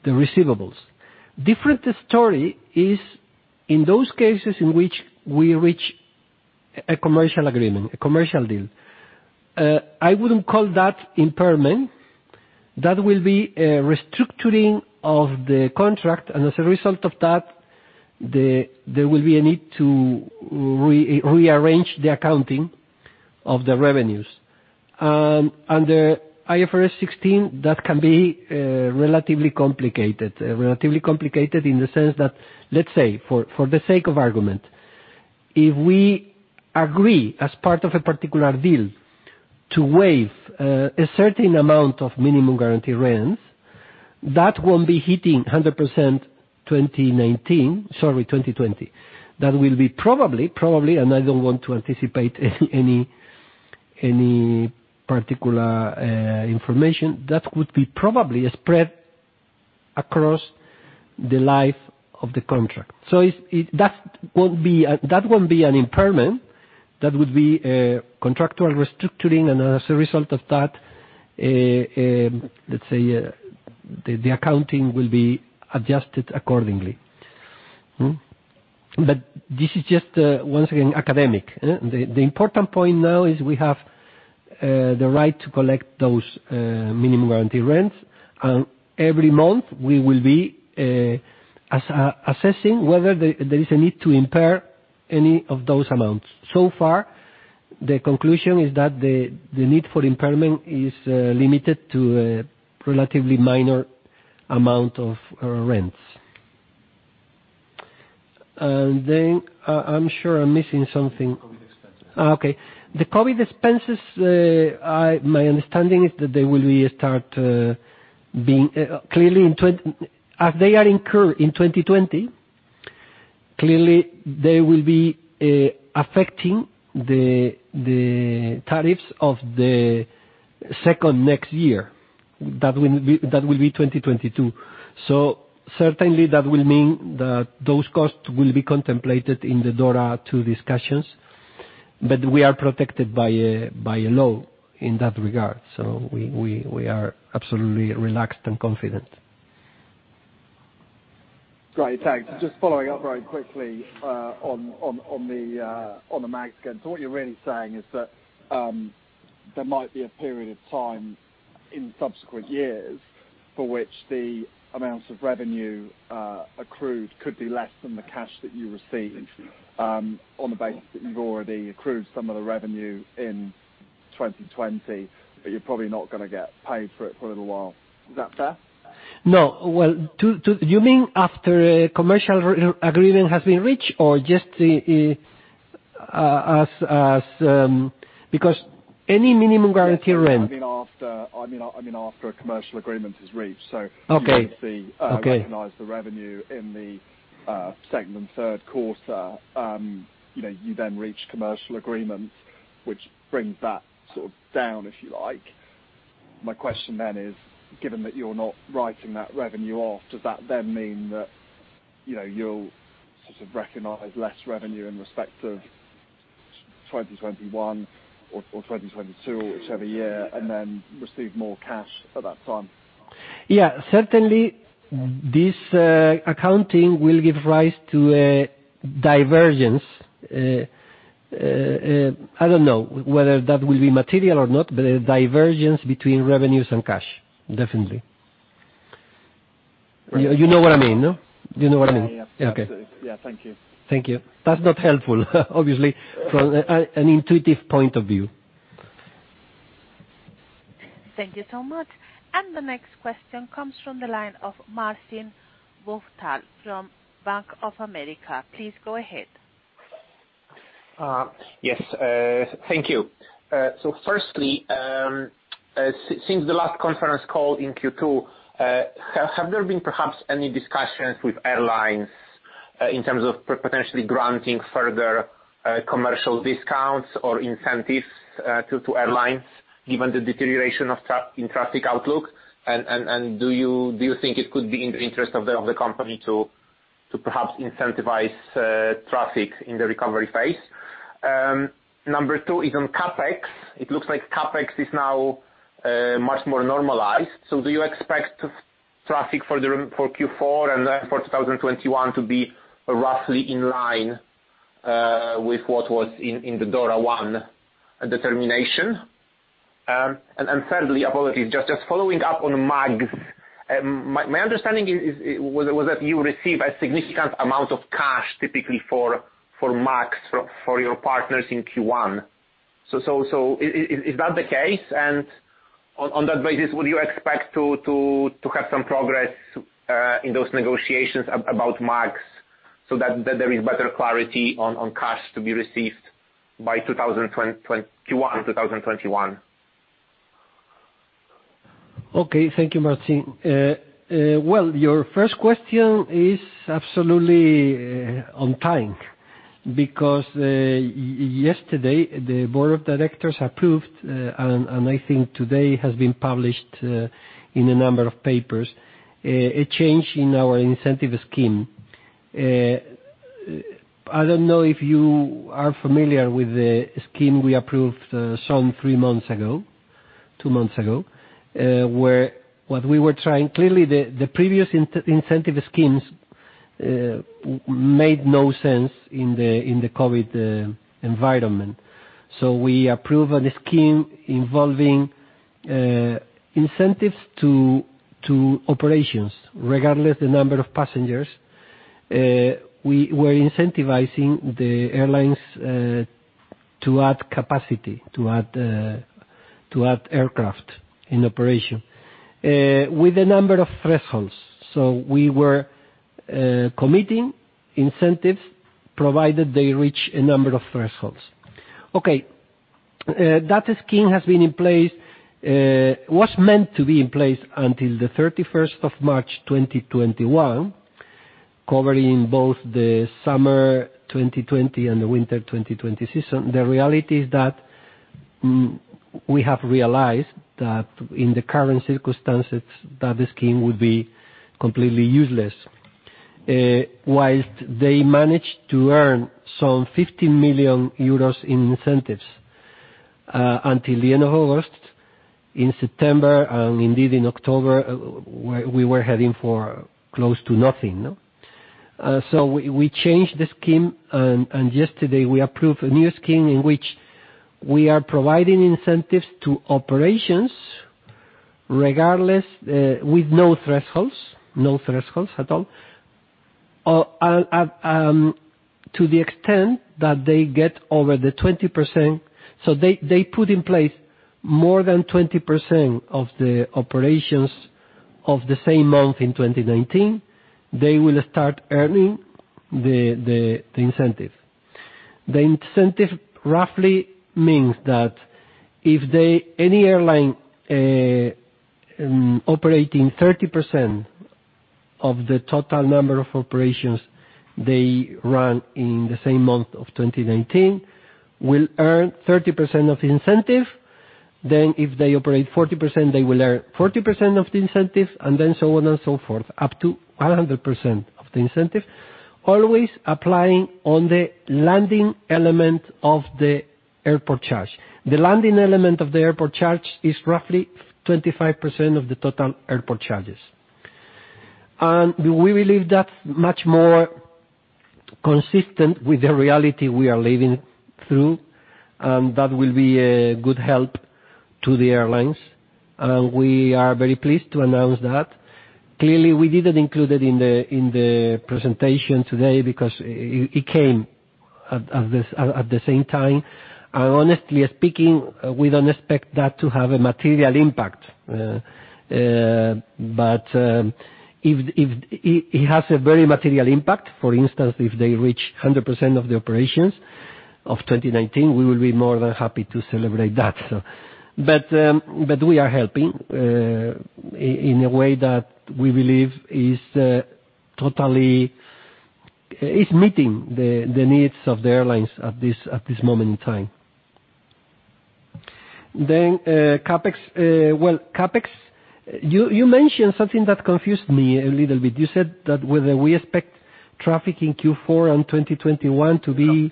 receivables. Different story is in those cases in which we reach a commercial agreement, a commercial deal. I wouldn't call that impairment. That will be a restructuring of the contract. And as a result of that, there will be a need to rearrange the accounting of the revenues. Under IFRS 16, that can be relatively complicated, relatively complicated in the sense that, let's say, for the sake of argument, if we agree as part of a particular deal to waive a certain amount of minimum guaranteed rents, that won't be hitting 100% 2019, sorry, 2020. That will be probably, probably, and I don't want to anticipate any particular information, that would be probably spread across the life of the contract. So that won't be an impairment. That would be a contractual restructuring. And as a result of that, let's say, the accounting will be adjusted accordingly. But this is just, once again, academic. The important point now is we have the right to collect those minimum guaranteed rents. And every month, we will be assessing whether there is a need to impair any of those amounts. So far, the conclusion is that the need for impairment is limited to a relatively minor amount of rents, and then I'm sure I'm missing something. COVID expenses. Okay. The COVID expenses, my understanding is that they will start being clearly, as they are incurred in 2020, they will be affecting the tariffs of the second next year. That will be 2022. So certainly, that will mean that those costs will be contemplated in the DORA 2 discussions. But we are protected by a law in that regard. So we are absolutely relaxed and confident. Right. Thanks. Just following up very quickly on the MAG again. So what you're really saying is that there might be a period of time in subsequent years for which the amounts of revenue accrued could be less than the cash that you receive on the basis that you've already accrued some of the revenue in 2020, but you're probably not going to get paid for it for a little while. Is that fair? No. Do you mean after a commercial agreement has been reached or just because any minimum guaranteed rent? I mean after a commercial agreement is reached. So when you see recognized the revenue in the second and third quarter, you then reach commercial agreements, which brings that sort of down, if you like. My question then is, given that you're not writing that revenue off, does that then mean that you'll sort of recognize less revenue in respect of 2021 or 2022 or whichever year and then receive more cash at that time? Yeah. Certainly, this accounting will give rise to a divergence. I don't know whether that will be material or not, but a divergence between revenues and cash, definitely. You know what I mean, no? You know what I mean? Yeah. Yeah. Absolutely. Yeah. Thank you. Thank you. That's not helpful, obviously, from an intuitive point of view. Thank you so much, and the next question comes from the line of Marcin Wojtal from Bank of America. Please go ahead. Yes. Thank you. So firstly, since the last conference call in Q2, have there been perhaps any discussions with airlines in terms of potentially granting further commercial discounts or incentives to airlines, given the deterioration in traffic outlook? And do you think it could be in the interest of the company to perhaps incentivize traffic in the recovery phase? Number two is on CapEx. It looks like CapEx is now much more normalized. So do you expect traffic for Q4 and for 2021 to be roughly in line with what was in the DORA 1 determination? And thirdly, apologies, just following up on MAG, my understanding was that you receive a significant amount of cash typically for MAG for your partners in Q1. So is that the case? On that basis, would you expect to have some progress in those negotiations about MAG so that there is better clarity on cash to be received by Q1 2021? Okay. Thank you, Marcin. Well, your first question is absolutely on time because yesterday, the board of directors approved, and I think today has been published in a number of papers, a change in our incentive scheme. I don't know if you are familiar with the scheme we approved some three months ago, two months ago, where what we were trying clearly, the previous incentive schemes made no sense in the COVID environment. So we approved a scheme involving incentives to operations, regardless of the number of passengers. We were incentivizing the airlines to add capacity, to add aircraft in operation, with a number of thresholds. So we were committing incentives provided they reach a number of thresholds. Okay. That scheme has been in place, was meant to be in place until the 31st of March 2021, covering both the summer 2020 and the winter 2020 season. The reality is that we have realized that in the current circumstances, that the scheme would be completely useless. While they managed to earn some 15 million euros in incentives until the end of August, in September, and indeed in October, we were heading for close to nothing. So we changed the scheme, and yesterday, we approved a new scheme in which we are providing incentives to operations with no thresholds, no thresholds at all, to the extent that they get over the 20%. So they put in place more than 20% of the operations of the same month in 2019, they will start earning the incentive. The incentive roughly means that if any airline operating 30% of the total number of operations they run in the same month of 2019 will earn 30% of the incentive. If they operate 40%, they will earn 40% of the incentive, and then so on and so forth, up to 100% of the incentive, always applying on the landing element of the airport charge. The landing element of the airport charge is roughly 25% of the total airport charges. We believe that's much more consistent with the reality we are living through, and that will be a good help to the airlines. We are very pleased to announce that. Clearly, we didn't include it in the presentation today because it came at the same time. Honestly speaking, we don't expect that to have a material impact. But if it has a very material impact, for instance, if they reach 100% of the operations of 2019, we will be more than happy to celebrate that. But we are helping in a way that we believe is meeting the needs of the airlines at this moment in time. Then CapEx, well, CapEx, you mentioned something that confused me a little bit. You said that whether we expect traffic in Q4 and 2021 to be.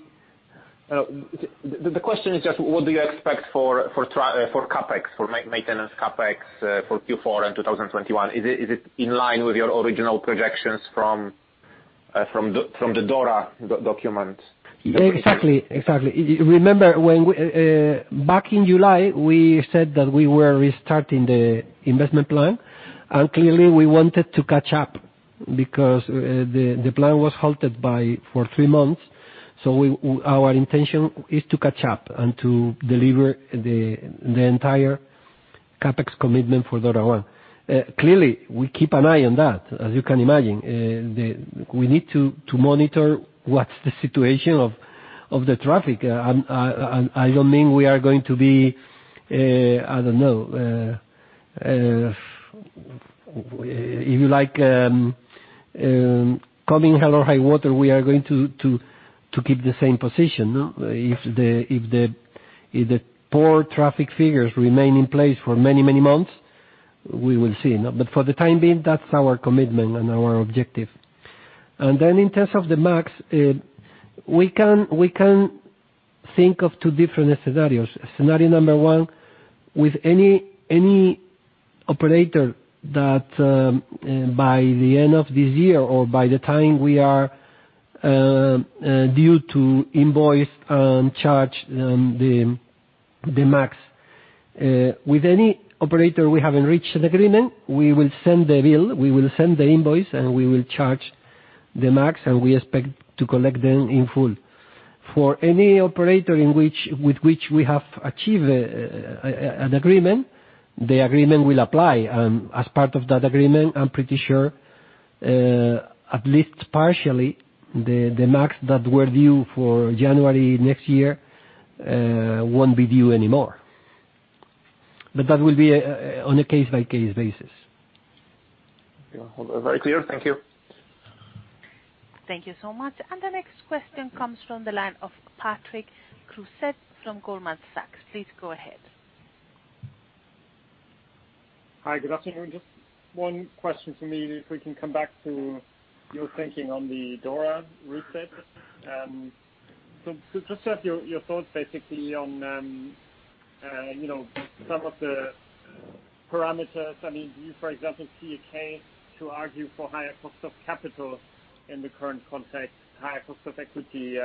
The question is just, what do you expect for CapEx, for maintenance CapEx for Q4 and 2021? Is it in line with your original projections from the DORA document? Exactly. Exactly. Remember, back in July, we said that we were restarting the investment plan, and clearly, we wanted to catch up because the plan was halted for three months, so our intention is to catch up and to deliver the entire CapEx commitment for DORA 1. Clearly, we keep an eye on that. As you can imagine, we need to monitor what's the situation of the traffic. I don't mean we are going to be, I don't know, if you like, coming hell or high water, we are going to keep the same position. If the poor traffic figures remain in place for many, many months, we will see, but for the time being, that's our commitment and our objective, and then in terms of the MAG, we can think of two different scenarios. Scenario number one, with any operator that by the end of this year or by the time we are due to invoice and charge the MAG, with any operator we haven't reached an agreement, we will send the bill, we will send the invoice, and we will charge the MAG, and we expect to collect them in full. For any operator with which we have achieved an agreement, the agreement will apply, and as part of that agreement, I'm pretty sure, at least partially, the MAG that were due for January next year won't be due anymore, but that will be on a case-by-case basis. Very clear. Thank you. Thank you so much. And the next question comes from the line of Patrick Creuset from Goldman Sachs. Please go ahead. Hi. Good afternoon. Just one question for me, if we can come back to your thinking on the DORA reset. So just to have your thoughts basically on some of the parameters. I mean, do you, for example, see a case to argue for higher cost of capital in the current context, higher cost of equity?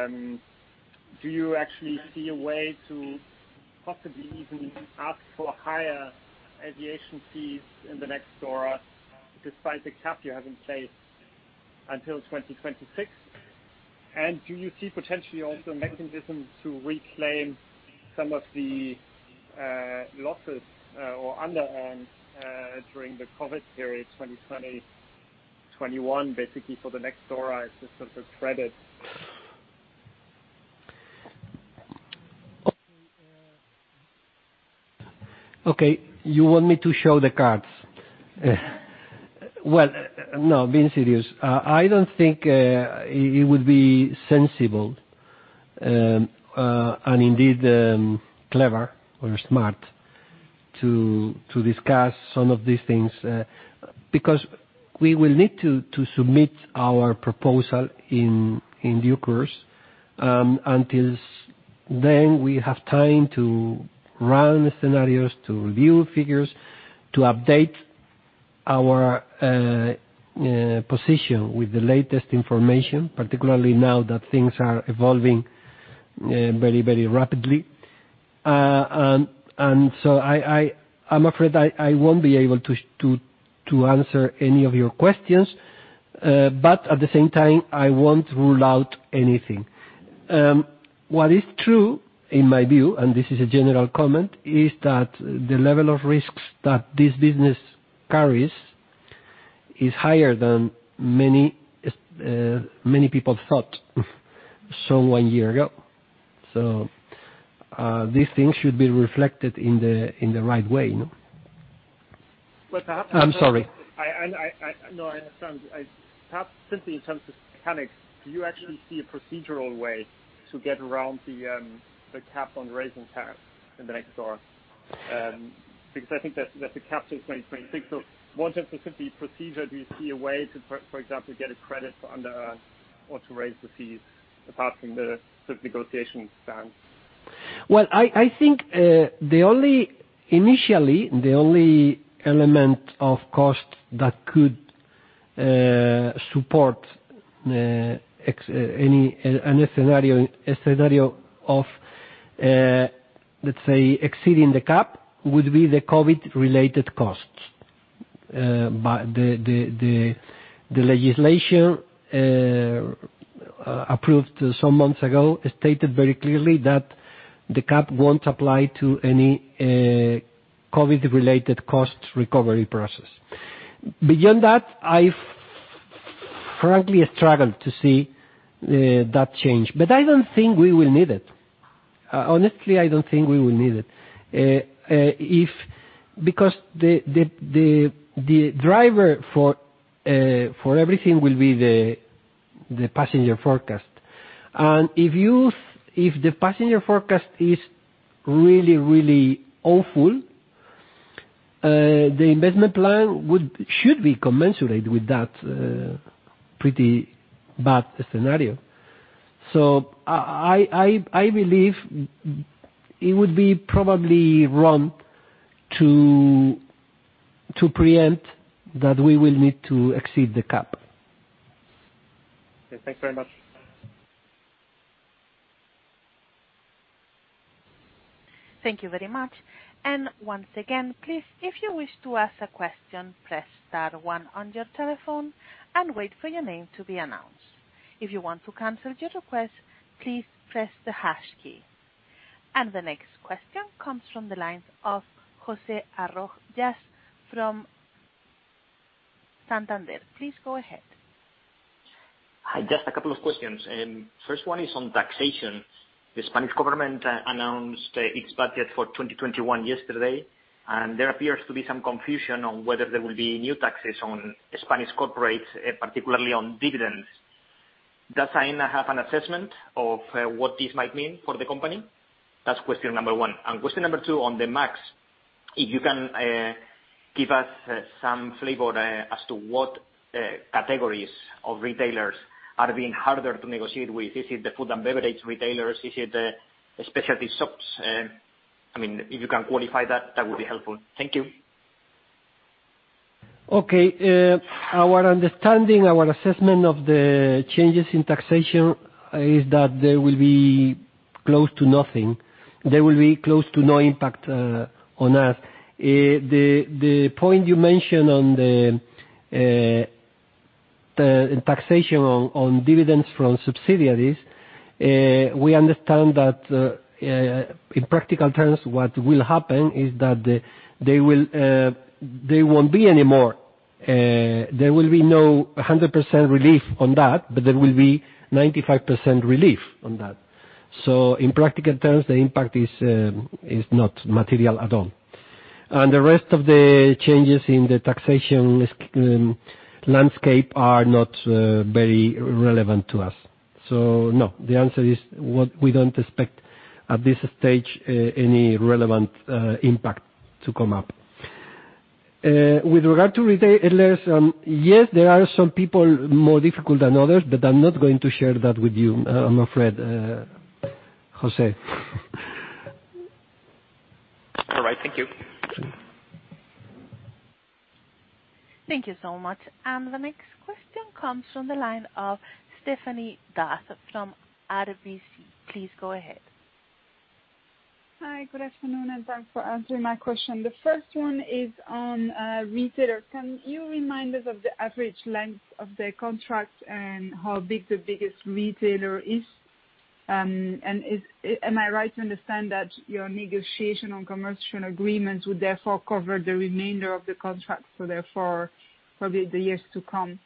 Do you actually see a way to possibly even ask for higher aviation fees in the next DORA, despite the cap you have in place until 2026? And do you see potentially also a mechanism to reclaim some of the losses or under-earned during the COVID period, 2020, 2021, basically for the next DORA as a sort of credit? Okay. You want me to show the cards? Well, no, being serious, I don't think it would be sensible and indeed clever or smart to discuss some of these things because we will need to submit our proposal in due course. Until then, we have time to run scenarios, to review figures, to update our position with the latest information, particularly now that things are evolving very, very rapidly. And so I'm afraid I won't be able to answer any of your questions, but at the same time, I won't rule out anything. What is true, in my view, and this is a general comment, is that the level of risks that this business carries is higher than many people thought some one year ago. So these things should be reflected in the right way. What's happened? I'm sorry. No, I understand. Simply in terms of mechanics, do you actually see a procedural way to get around the cap on raising tax in the next DORA? Because I think that the cap is 2026. So more than just the simple procedure, do you see a way to, for example, get a credit for under-earned or to raise the fees passing the sort of negotiation stand? I think initially, the only element of cost that could support any scenario of, let's say, exceeding the cap would be the COVID-related costs. The legislation approved some months ago stated very clearly that the cap won't apply to any COVID-related cost recovery process. Beyond that, I frankly struggle to see that change. But I don't think we will need it. Honestly, I don't think we will need it because the driver for everything will be the passenger forecast. And if the passenger forecast is really, really awful, the investment plan should be commensurate with that pretty bad scenario. So I believe it would be probably wrong to preempt that we will need to exceed the cap. Okay. Thanks very much. Thank you very much. And once again, please, if you wish to ask a question, press star one on your telephone and wait for your name to be announced. If you want to cancel your request, please press the hash key. And the next question comes from the lines of José Arroyas from Banco Santander. Please go ahead. Hi, just a couple of questions. First one is on taxation. The Spanish government announced its budget for 2021 yesterday, and there appears to be some confusion on whether there will be new taxes on Spanish corporates, particularly on dividends. Does Aena have an assessment of what this might mean for the company? That's question number one. And question number two on the MAG, if you can give us some flavor as to what categories of retailers are being harder to negotiate with. Is it the food and beverage retailers? Is it the specialty shops? I mean, if you can qualify that, that would be helpful. Thank you. Okay. Our understanding, our assessment of the changes in taxation is that they will be close to nothing. They will be close to no impact on us. The point you mentioned on the taxation on dividends from subsidiaries, we understand that in practical terms, what will happen is that they won't be anymore. There will be no 100% relief on that, but there will be 95% relief on that. So in practical terms, the impact is not material at all. And the rest of the changes in the taxation landscape are not very relevant to us. So no, the answer is we don't expect at this stage any relevant impact to come up. With regard to retailers, yes, there are some people more difficult than others, but I'm not going to share that with you. I'm afraid, José. All right. Thank you. Thank you so much. The next question comes from the line of Stephanie D'Ath from RBC. Please go ahead. Hi. Good afternoon, and thanks for answering my question. The first one is on retailers. Can you remind us of the average length of the contract and how big the biggest retailer is? And am I right to understand that your negotiation on commercial agreements would therefore cover the remainder of the contract, so therefore probably the years to come?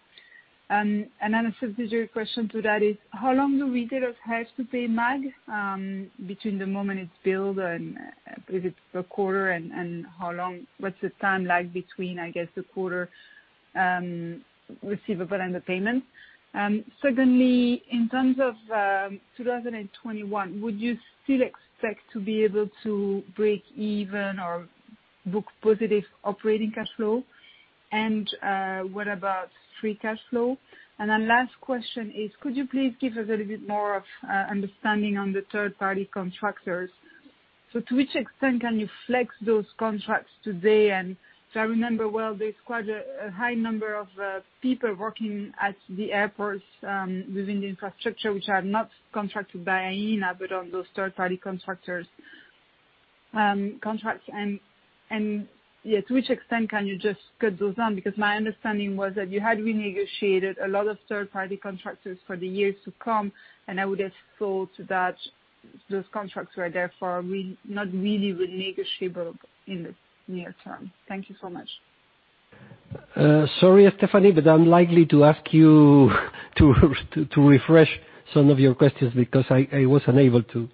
And then a subsidiary question to that is, how long do retailers have to pay MAG between the moment it's billed and if it's a quarter, and what's the time lag between, I guess, the quarter receivable and the payment? Secondly, in terms of 2021, would you still expect to be able to break even or book positive operating cash flow? And what about free cash flow? And then last question is, could you please give us a little bit more of understanding on the third-party contractors? To which extent can you flex those contracts today? And if I remember well, there's quite a high number of people working at the airports within the infrastructure, which are not contracted by Aena, but by those third-party contractors. To which extent can you just cut those down? Because my understanding was that you had renegotiated a lot of third-party contractors for the years to come, and I would have thought that those contracts were therefore not really renegotiable in the near term. Thank you so much. Sorry, Stephanie, but I'm likely to ask you to refresh some of your questions because I was unable to.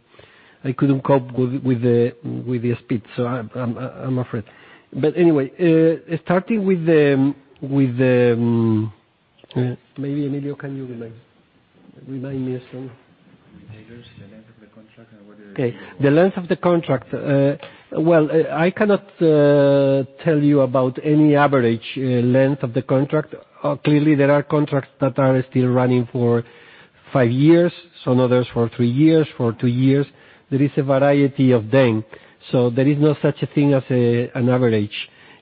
I couldn't cope with the speed, so I'm afraid. But anyway, starting with them, maybe Emilio, can you remind me of some? The length of the contract and whether it's. Okay. The length of the contract. I cannot tell you about any average length of the contract. Clearly, there are contracts that are still running for five years, some others for three years, for two years. There is a variety of them. So there is no such thing as an average.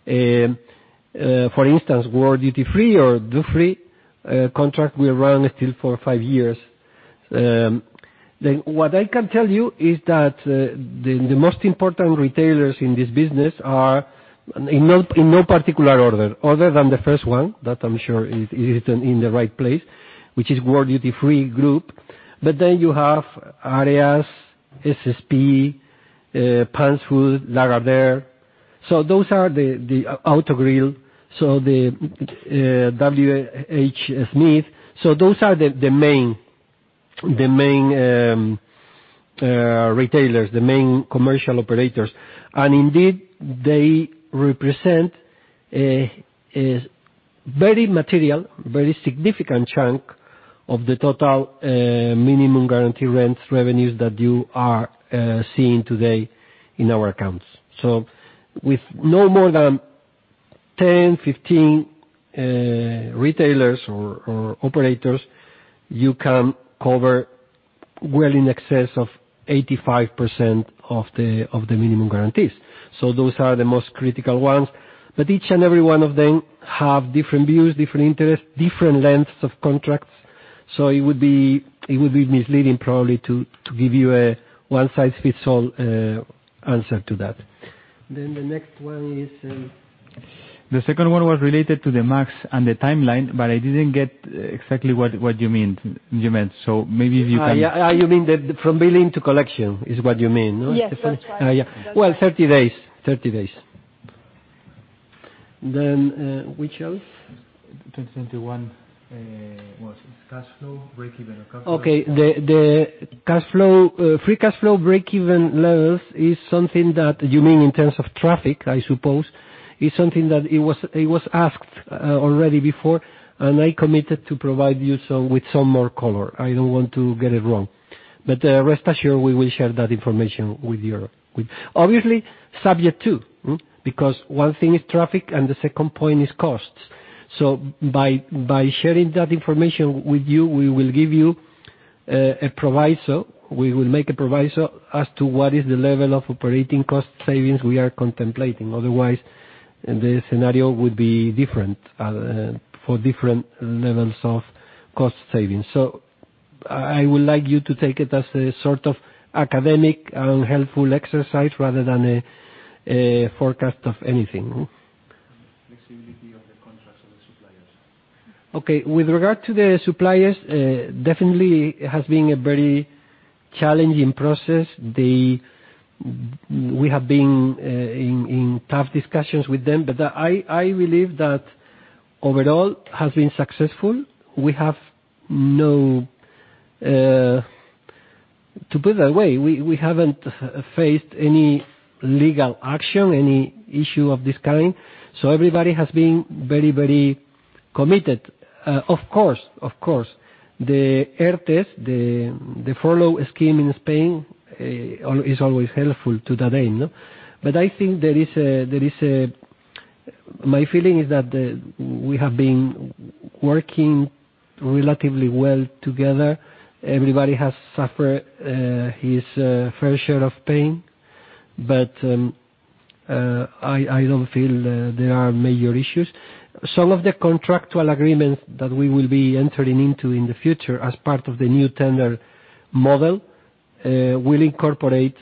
For instance, World Duty Free or duty-free contract will run still for five years. Then what I can tell you is that the most important retailers in this business are in no particular order, other than the first one that I'm sure is in the right place, which is World Duty Free Group. But then you have Areas, SSP, Pansfood, Lagardère. So those are Autogrill, so the WHSmith. So those are the main retailers, the main commercial operators. And indeed, they represent a very material, very significant chunk of the total minimum guaranteed rents revenues that you are seeing today in our accounts. So with no more than 10, 15 retailers or operators, you can cover well in excess of 85% of the minimum guarantees. So those are the most critical ones. But each and every one of them have different views, different interests, different lengths of contracts. So it would be misleading probably to give you a one-size-fits-all answer to that. Then the next one is. The second one was related to the MAG and the timeline, but I didn't get exactly what you meant. So maybe if you can. You mean from billing to collection is what you mean, no? Yes. 30 days. 30 days. Then which else? 2021, what's cash flow, break even, or cash flow? Okay. The free cash flow break-even levels is something that you mean in terms of traffic, I suppose, is something that it was asked already before, and I committed to provide you with some more color. I don't want to get it wrong. But rest assured, we will share that information with you. Obviously, subject to, because one thing is traffic and the second point is costs. So by sharing that information with you, we will give you a proviso. We will make a proviso as to what is the level of operating cost savings we are contemplating. Otherwise, the scenario would be different for different levels of cost savings. So I would like you to take it as a sort of academic and helpful exercise rather than a forecast of anything. Flexibility of the contracts of the suppliers. Okay. With regard to the suppliers, definitely it has been a very challenging process. We have been in tough discussions with them, but I believe that overall has been successful. We have, to put it that way, we haven't faced any legal action, any issue of this kind. So everybody has been very, very committed. Of course, of course. The ERTEs, the furlough scheme in Spain, is always helpful to that aim. But I think my feeling is that we have been working relatively well together. Everybody has suffered his fair share of pain, but I don't feel there are major issues. Some of the contractual agreements that we will be entering into in the future as part of the new tender model will incorporate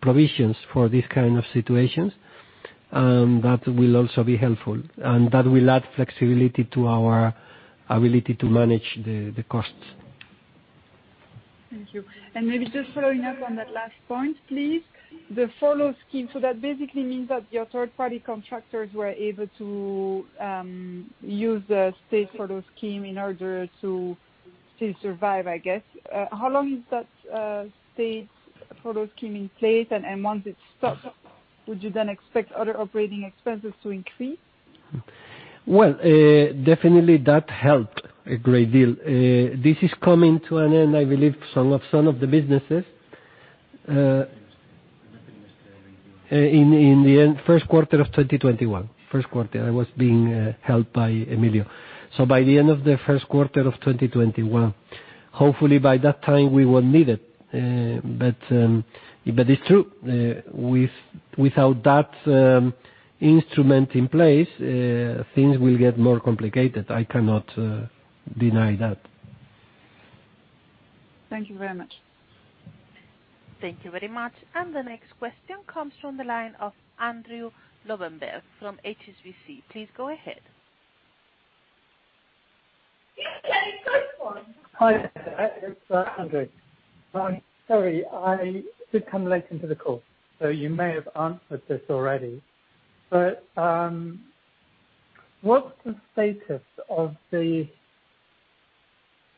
provisions for this kind of situations, and that will also be helpful. That will add flexibility to our ability to manage the costs. Thank you. And maybe just following up on that last point, please, the ERTE scheme. So that basically means that your third-party contractors were able to use the state ERTE scheme in order to still survive, I guess. How long is that state ERTE scheme in place? And once it stops, would you then expect other operating expenses to increase? Definitely that helped a great deal. This is coming to an end, I believe, some of the businesses. In the first quarter of 2021. First quarter. I was being helped by Emilio. So by the end of the first quarter of 2021, hopefully by that time we won't need it. But it's true. Without that instrument in place, things will get more complicated. I cannot deny that. Thank you very much. Thank you very much. And the next question comes from the line of Andrew Lobbenberg from HSBC. Please go ahead. Hi. It's Andrew. Sorry. I did come late into the call, so you may have answered this already. But what's the status of the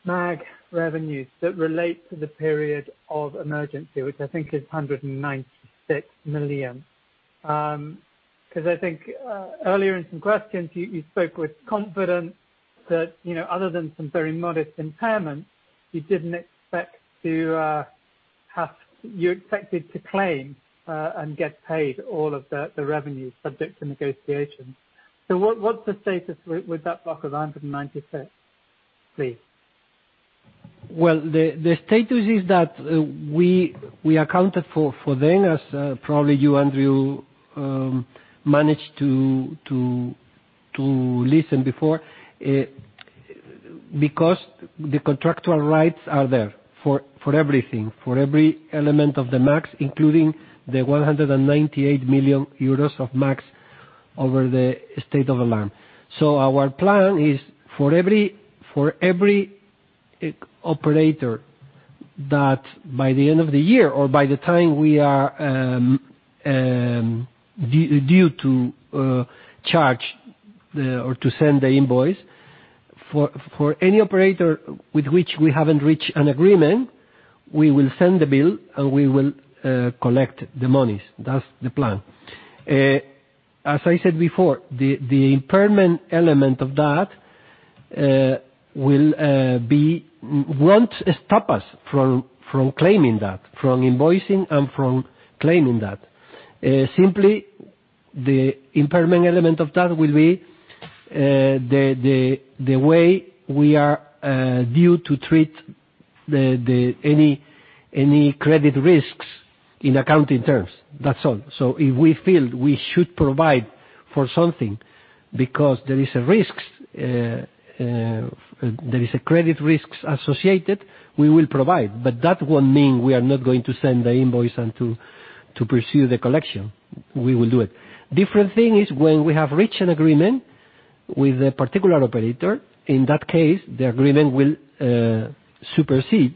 MAG revenues that relate to the period of emergency, which I think is 196 million? Because I think earlier in some questions, you spoke with confidence that other than some very modest impairments, you expected to claim and get paid all of the revenues subject to negotiation. So what's the status with that block of 196, please? The status is that we accounted for them as probably you, Andrew, managed to listen before because the contractual rights are there for everything, for every element of the MAG, including the 198 million euros of MAG over the state of alarm. So our plan is for every operator that by the end of the year or by the time we are due to charge or to send the invoice for any operator with which we haven't reached an agreement, we will send the bill and we will collect the monies. That's the plan. As I said before, the impairment element of that will be. Won't stop us from claiming that, from invoicing and from claiming that. Simply, the impairment element of that will be the way we are due to treat any credit risks in accounting terms. That's all. So if we feel we should provide for something because there is a risk, there is a credit risk associated, we will provide. But that won't mean we are not going to send the invoice and to pursue the collection. We will do it. Different thing is when we have reached an agreement with a particular operator. In that case, the agreement will supersede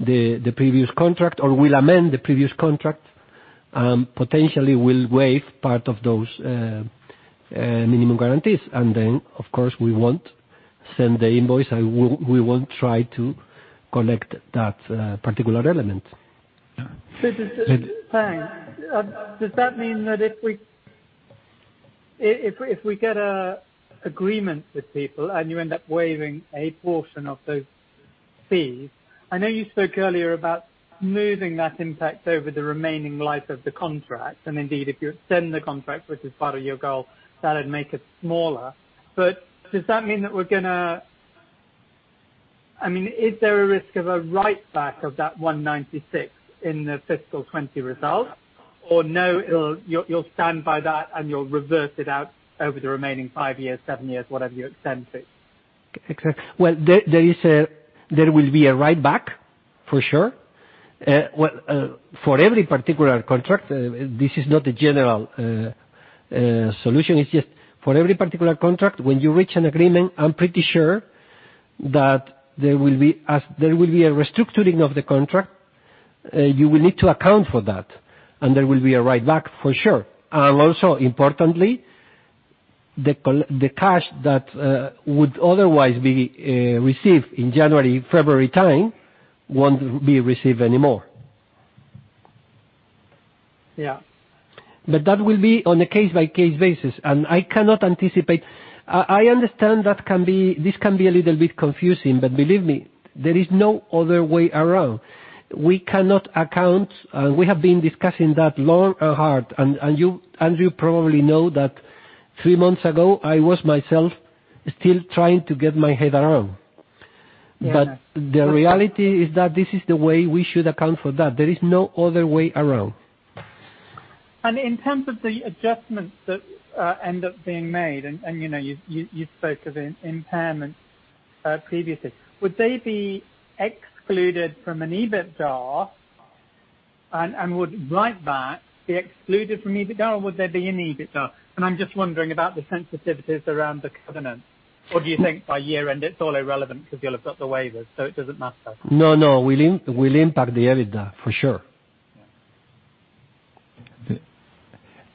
the previous contract or will amend the previous contract and potentially will waive part of those minimum guarantees. And then, of course, we won't send the invoice and we won't try to collect that particular element. Thanks. Does that mean that if we get an agreement with people and you end up waiving a portion of those fees? I know you spoke earlier about moving that impact over the remaining life of the contract. And indeed, if you extend the contract, which is part of your goal, that would make it smaller. But does that mean that we're going to I mean, is there a risk of a write-back of that 196 in the fiscal 2020 result? Or no, you'll stand by that and you'll revert it out over the remaining five years, seven years, whatever you extend to? There will be a rebate for sure. For every particular contract, this is not the general solution. It's just for every particular contract, when you reach an agreement, I'm pretty sure that there will be a restructuring of the contract. You will need to account for that. There will be a rebate for sure. Importantly, the cash that would otherwise be received in January, February time won't be received anymore. Yeah. But that will be on a case-by-case basis. And I cannot anticipate. I understand that this can be a little bit confusing, but believe me, there is no other way around. We cannot account, and we have been discussing that long and hard. And Andrew probably knows that three months ago, I was myself still trying to get my head around. But the reality is that this is the way we should account for that. There is no other way around. In terms of the adjustments that end up being made, and you spoke of impairment previously, would they be excluded from an EBITDA and would write-back be excluded from EBITDA, or would there be an EBITDA? I'm just wondering about the sensitivities around the covenant. Do you think by year-end, it's all irrelevant because you'll have got the waivers, so it doesn't matter? No, no. We'll impact the EBITDA for sure.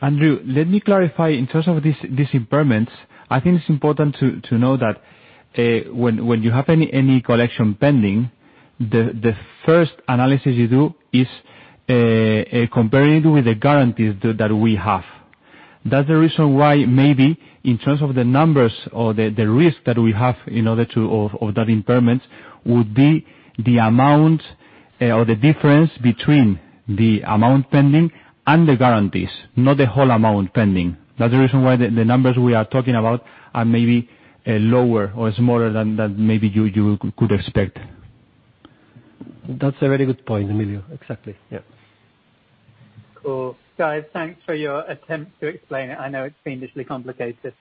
Andrew, let me clarify in terms of these impairments. I think it's important to know that when you have any collection pending, the first analysis you do is compare it with the guarantees that we have. That's the reason why maybe in terms of the numbers or the risk that we have in order to of that impairment would be the amount or the difference between the amount pending and the guarantees, not the whole amount pending. That's the reason why the numbers we are talking about are maybe lower or smaller than maybe you could expect. That's a very good point, Emilio. Exactly. Yeah. Cool. Guys, thanks for your attempt to explain it. I know it's been initially complicated.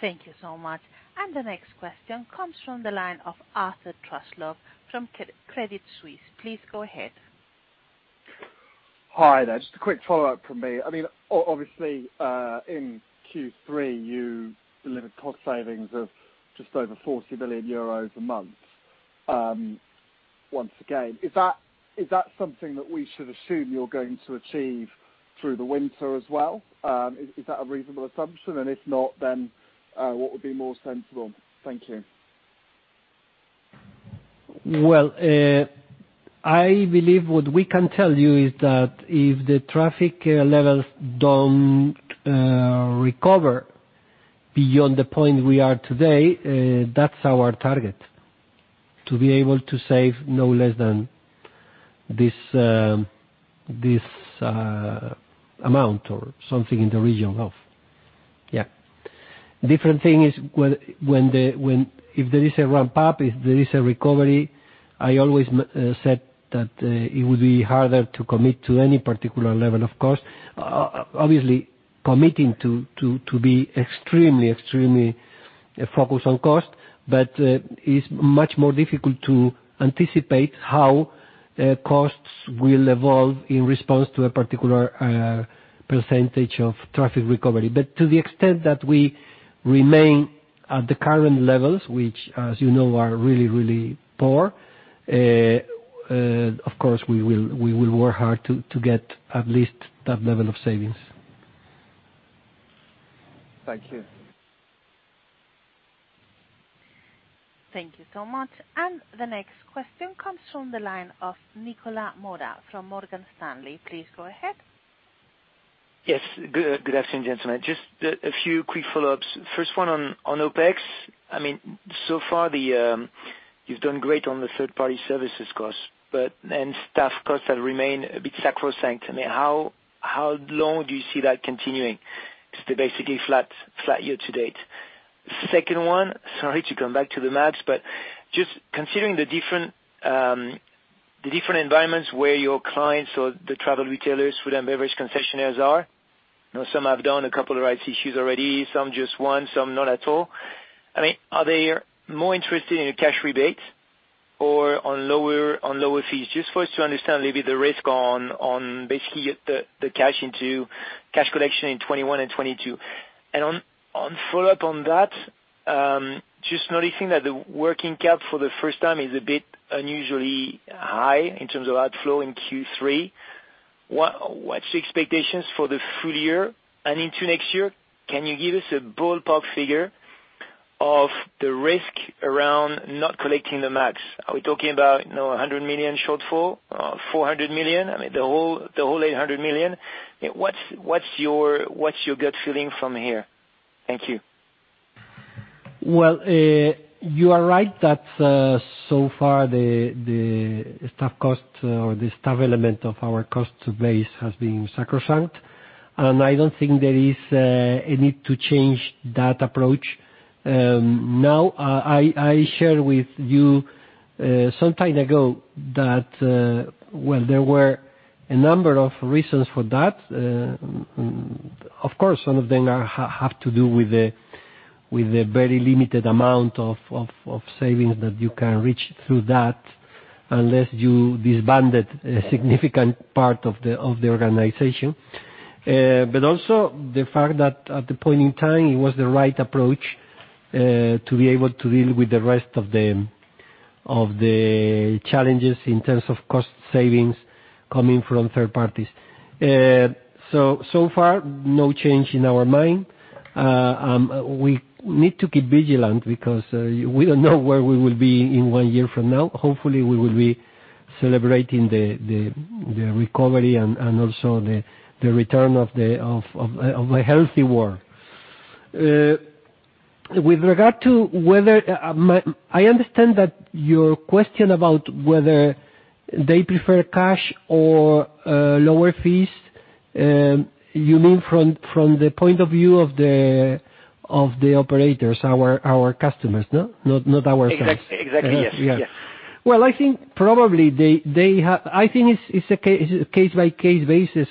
Thank you so much, and the next question comes from the line of Arthur Truslove from Credit Suisse. Please go ahead. Hi. That's just a quick follow-up from me. I mean, obviously, in Q3, you delivered cost savings of just over 40 million euros a month once again. Is that something that we should assume you're going to achieve through the winter as well? Is that a reasonable assumption? And if not, then what would be more sensible? Thank you. I believe what we can tell you is that if the traffic levels don't recover beyond the point we are today, that's our target, to be able to save no less than this amount or something in the region of. Yeah. Different thing is if there is a ramp-up, if there is a recovery, I always said that it would be harder to commit to any particular level of cost. Obviously, committing to be extremely, extremely focused on cost, but it's much more difficult to anticipate how costs will evolve in response to a particular percentage of traffic recovery. But to the extent that we remain at the current levels, which, as you know, are really, really poor, of course, we will work hard to get at least that level of savings. Thank you. Thank you so much. And the next question comes from the line of Nicolas Mora from Morgan Stanley. Please go ahead. Yes. Good afternoon, gentlemen. Just a few quick follow-ups. First one on OpEx. I mean, so far, you've done great on the third-party services costs and staff costs that remain a bit sacrosanct. I mean, how long do you see that continuing? It's basically flat year to date. Second one, sorry to come back to the MAG, but just considering the different environments where your clients or the travel retailers, food and beverage concessionaries are, some have done a couple of rights issues already, some just one, some not at all. I mean, are they more interested in cash rebates or on lower fees? Just for us to understand a little bit the risk on basically the cash collection in 2021 and 2022. And on follow-up on that, just noticing that the working cap for the first time is a bit unusually high in terms of outflow in Q3. What's the expectations for the full year and into next year? Can you give us a ballpark figure of the risk around not collecting the MAG? Are we talking about 100 million shortfall, 400 million, I mean, the whole 800 million? What's your gut feeling from here? Thank you. You are right that so far the staff cost or the staff element of our cost base has been sacrosanct. I don't think there is a need to change that approach. Now, I shared with you some time ago that, well, there were a number of reasons for that. Of course, some of them have to do with the very limited amount of savings that you can reach through that unless you disbanded a significant part of the organization. Also the fact that at the point in time, it was the right approach to be able to deal with the rest of the challenges in terms of cost savings coming from third parties. No change in our mind. We need to keep vigilant because we don't know where we will be in one year from now. Hopefully, we will be celebrating the recovery and also the return of a healthy world. With regard to whether I understand that your question about whether they prefer cash or lower fees, you mean from the point of view of the operators, our customers, not ourselves? Exactly. Yes. Yeah. I think it's a case-by-case basis.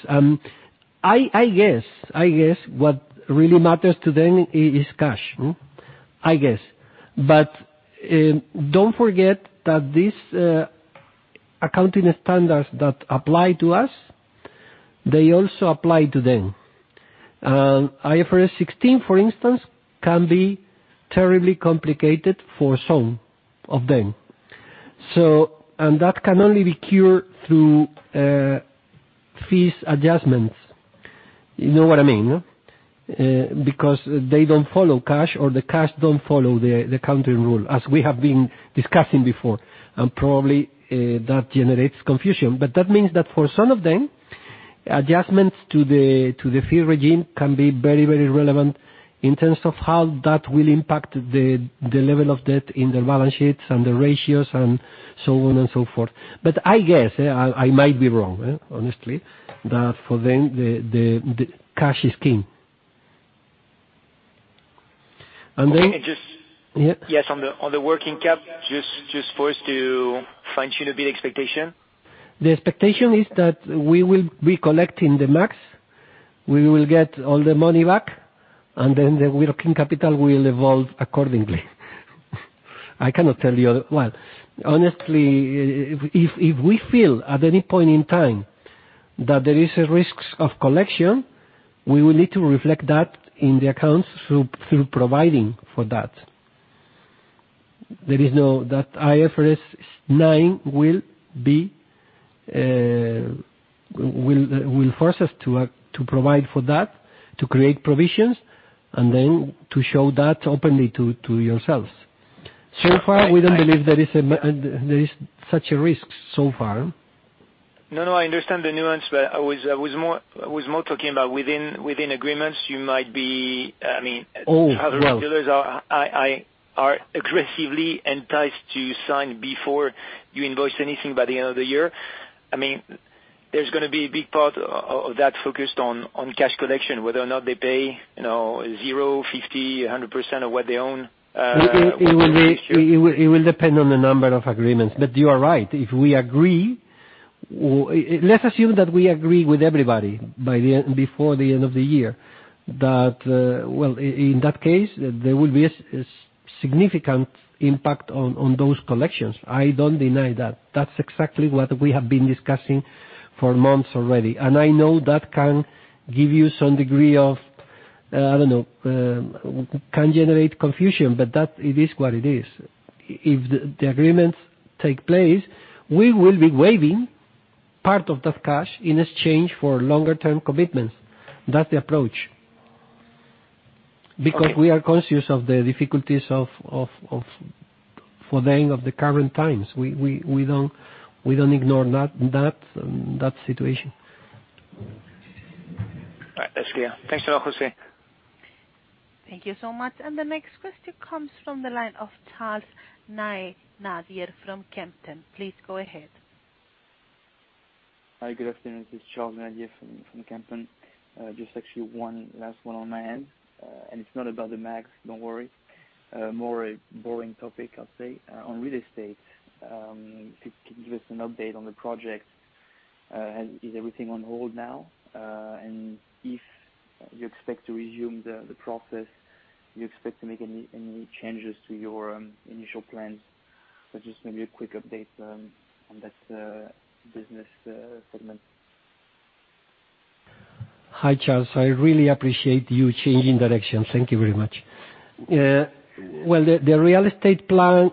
I guess what really matters to them is cash, I guess. But don't forget that these accounting standards that apply to us, they also apply to them. IFRS 16, for instance, can be terribly complicated for some of them. And that can only be cured through fees adjustments. You know what I mean? Because they don't follow cash or the cash don't follow the accounting rule, as we have been discussing before. And probably that generates confusion. But that means that for some of them, adjustments to the fee regime can be very, very relevant in terms of how that will impact the level of debt in their balance sheets and the ratios and so on and so forth. But I guess I might be wrong, honestly, that for them, the cash is king. And then. And just. Yeah? Yes. On the working cap, just for us to fine-tune a bit expectation? The expectation is that we will be collecting the MAG, we will get all the money back, and then the working capital will evolve accordingly. I cannot tell you what. Honestly, if we feel at any point in time that there is a risk of collection, we will need to reflect that in the accounts through providing for that. That IFRS 9 will force us to provide for that, to create provisions, and then to show that openly to yourselves. So far, we don't believe there is such a risk so far. No, no. I understand the nuance, but I was more talking about within agreements, you might be, I mean, other retailers are aggressively enticed to sign before you invoice anything by the end of the year. I mean, there's going to be a big part of that focused on cash collection, whether or not they pay 0%, 50%, 100% of what they own. It will depend on the number of agreements. But you are right. If we agree, let's assume that we agree with everybody before the end of the year that, well, in that case, there will be a significant impact on those collections. I don't deny that. That's exactly what we have been discussing for months already. And I know that can give you some degree of, I don't know, can generate confusion, but it is what it is. If the agreements take place, we will be waiving part of that cash in exchange for longer-term commitments. That's the approach. Because we are conscious of the difficulties for the end of the current times. We don't ignore that situation. All right. That's clear. Thanks a lot, José. Thank you so much. The next question comes from the line of Charles Maynadier from Kempen. Please go ahead. Hi. Good afternoon. This is Charles Maynadier from Kempen & Co. Just actually one last one on my end. And it's not about the MAG, don't worry. More a boring topic, I'll say, on real estate. If you can give us an update on the project, is everything on hold now? And if you expect to resume the process, do you expect to make any changes to your initial plans? So just maybe a quick update on that business segment. Hi, Charles. I really appreciate you changing directions. Thank you very much. The real estate plan,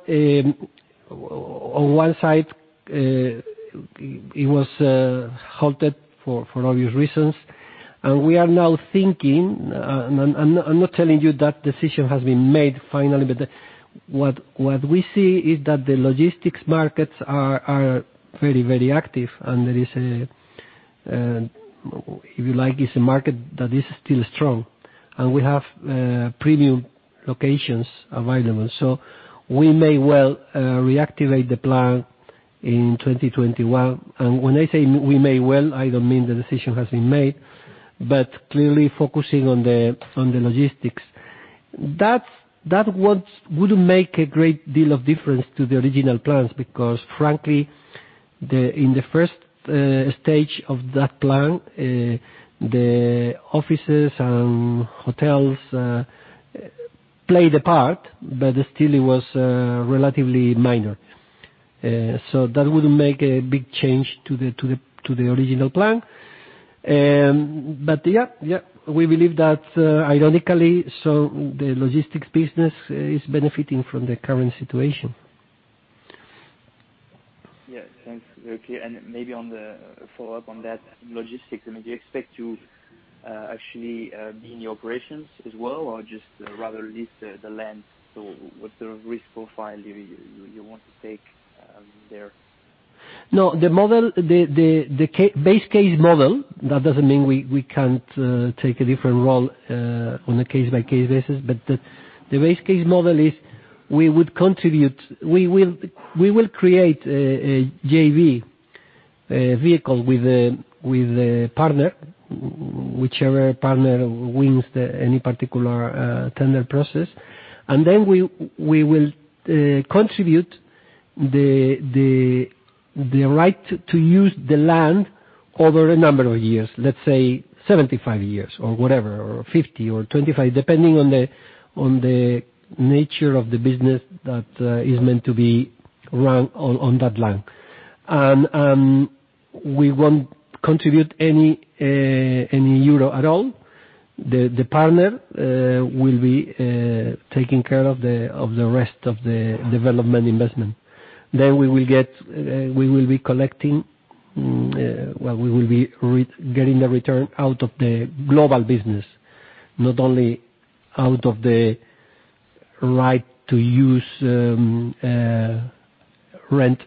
on one side, it was halted for obvious reasons. We are now thinking, and I'm not telling you that decision has been made finally, but what we see is that the logistics markets are very, very active. There is, if you like, it's a market that is still strong. We have premium locations available. We may well reactivate the plan in 2021. When I say we may well, I don't mean the decision has been made, but clearly focusing on the logistics. That wouldn't make a great deal of difference to the original plans because, frankly, in the first stage of that plan, the offices and hotels played a part, but still it was relatively minor. That wouldn't make a big change to the original plan. Yeah, yeah, we believe that ironically, so the logistics business is benefiting from the current situation. Yeah. Thanks, José. And maybe on the follow-up on that logistics, I mean, do you expect to actually be in the operations as well or just rather lease the land? So what's the risk profile you want to take there? No, the base case model, that doesn't mean we can't take a different role on a case-by-case basis. But the base case model is we wonld contribute. We will create a JV vehicle with a partner, whichever partner wins any particular tender process. And then we will contribute the right to use the land over a number of years, let's say 75 years or whatever, or 50 or 25, depending on the nature of the business that is meant to be run on that land. And we won't contribute any euro at all. The partner will be taking care of the rest of the development investment. Then we will be getting the return out of the global business, not only out of the right to use rent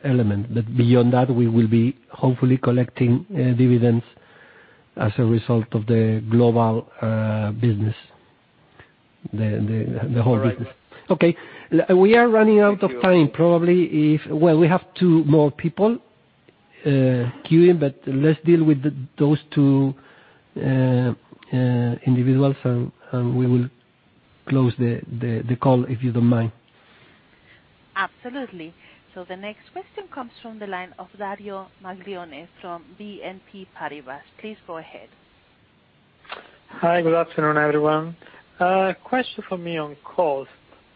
element. But beyond that, we will be hopefully collecting dividends as a result of the global business, the whole business. Okay. We are running out of time. Probably if, well, we have two more people queuing, but let's deal with those two individuals, and we will close the call if you don't mind. Absolutely. So the next question comes from the line of Dario Maglione from BNP Paribas. Please go ahead. Hi. Good afternoon, everyone. Question for me on cost.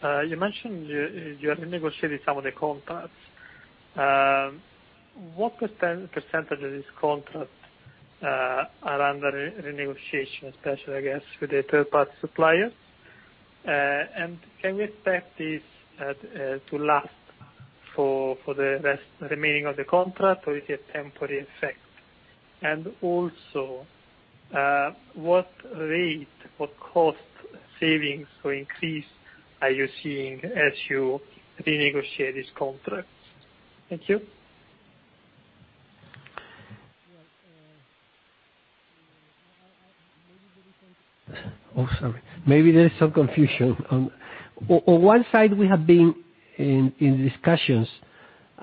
You mentioned you are renegotiating some of the contracts. What percentage of these contracts are under renegotiation, especially, I guess, with the third-party suppliers? And can we expect this to last for the remaining of the contract, or is it a temporary effect? And also, what rate, what cost savings or increase are you seeing as you renegotiate these contracts? Thank you. Oh, sorry. Maybe there is some confusion. On one side, we have been in discussions,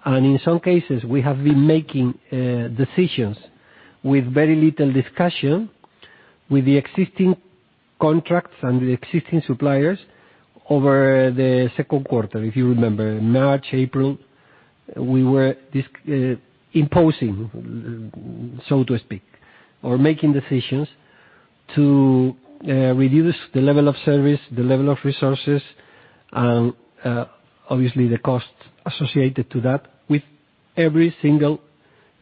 and in some cases, we have been making decisions with very little discussion with the existing contracts and the existing suppliers over the second quarter, if you remember. March, April, we were imposing, so to speak, or making decisions to reduce the level of service, the level of resources, and obviously the cost associated to that with every single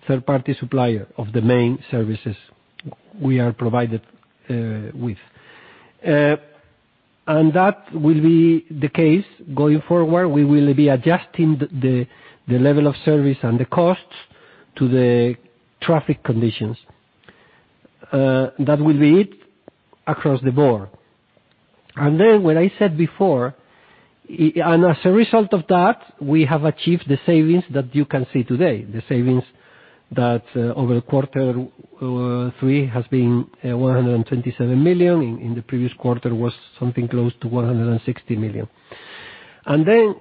third-party supplier of the main services we are provided with. And that will be the case going forward. We will be adjusting the level of service and the costs to the traffic conditions. That will be it across the board. And then what I said before, and as a result of that, we have achieved the savings that you can see today, the savings that over quarter three has been 127 million. In the previous quarter, it was something close to 160 million. And then,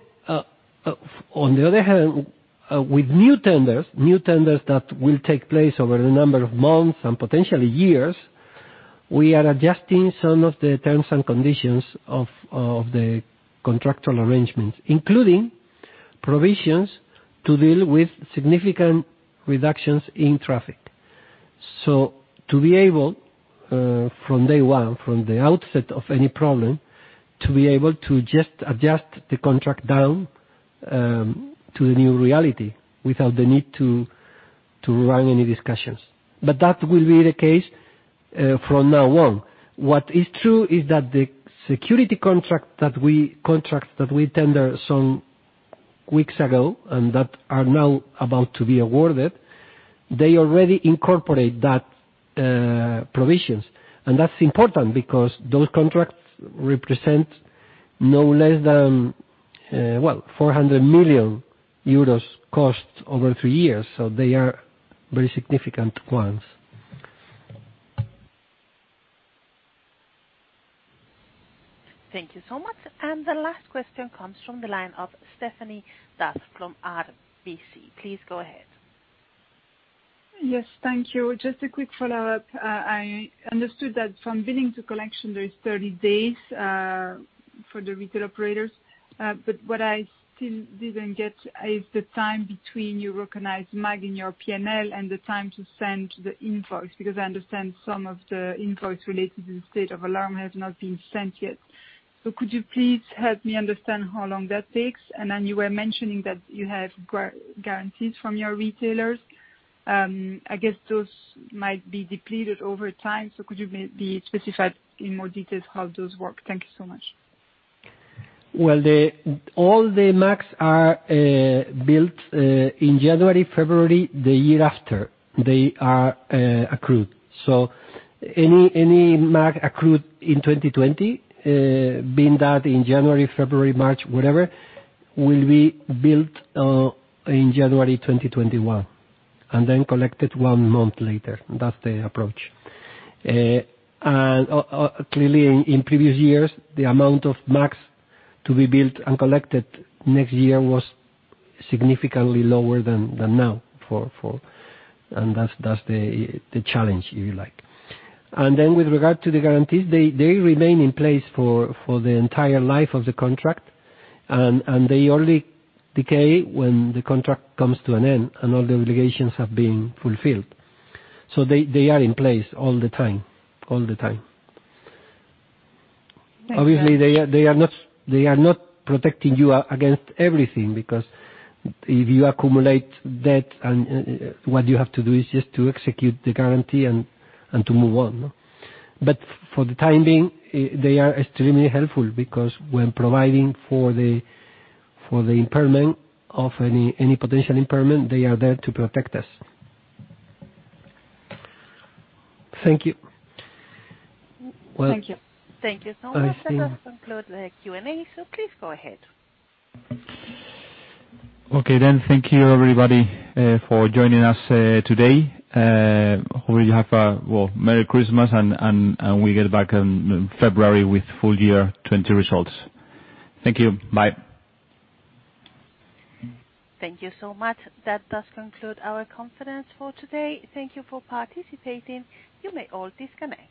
on the other hand, with new tenders, new tenders that will take place over a number of months and potentially years, we are adjusting some of the terms and conditions of the contractual arrangements, including provisions to deal with significant reductions in traffic. So to be able, from day one, from the outset of any problem, to be able to just adjust the contract down to the new reality without the need to run any discussions. But that will be the case from now on. What is true is that the security contract that we tendered some weeks ago and that are now about to be awarded, they already incorporate that provisions. And that's important because those contracts represent no less than, well, 400 million euros cost over three years. So they are very significant ones. Thank you so much. And the last question comes from the line of Stephanie D'Ath from RBC. Please go ahead. Yes. Thank you. Just a quick follow-up. I understood that from billing to collection, there is 30 days for the retail operators. But what I still didn't get is the time between your recognized MAG and your P&L and the time to send the invoice because I understand some of the invoice related to the state of alarm has not been sent yet. So could you please help me understand how long that takes? And then you were mentioning that you have guarantees from your retailers. I guess those might be depleted over time. So could you maybe specify in more detail how those work? Thank you so much. All the MAGs are built in January, February the year after they are accrued. So any MAG accrued in 2020, being that in January, February, March, whatever, will be built in January 2021 and then collected one month later. That's the approach. And clearly, in previous years, the amount of MAGs to be built and collected next year was significantly lower than now. And that's the challenge, if you like. And then with regard to the guarantees, they remain in place for the entire life of the contract, and they only decay when the contract comes to an end and all the obligations have been fulfilled. So they are in place all the time, all the time. Obviously, they are not protecting you against everything because if you accumulate debt, what you have to do is just to execute the guarantee and to move on. But for the time being, they are extremely helpful because when providing for the impairment of any potential impairment, they are there to protect us. Thank you. Well. Thank you. Thank you so much. That does conclude the Q&A. So please go ahead. Okay. Then thank you, everybody, for joining us today. Hopefully, you have a, well, Merry Christmas, and we get back in February with full year 2020 results. Thank you. Bye. Thank you so much. That does conclude our conference for today. Thank you for participating. You may all disconnect.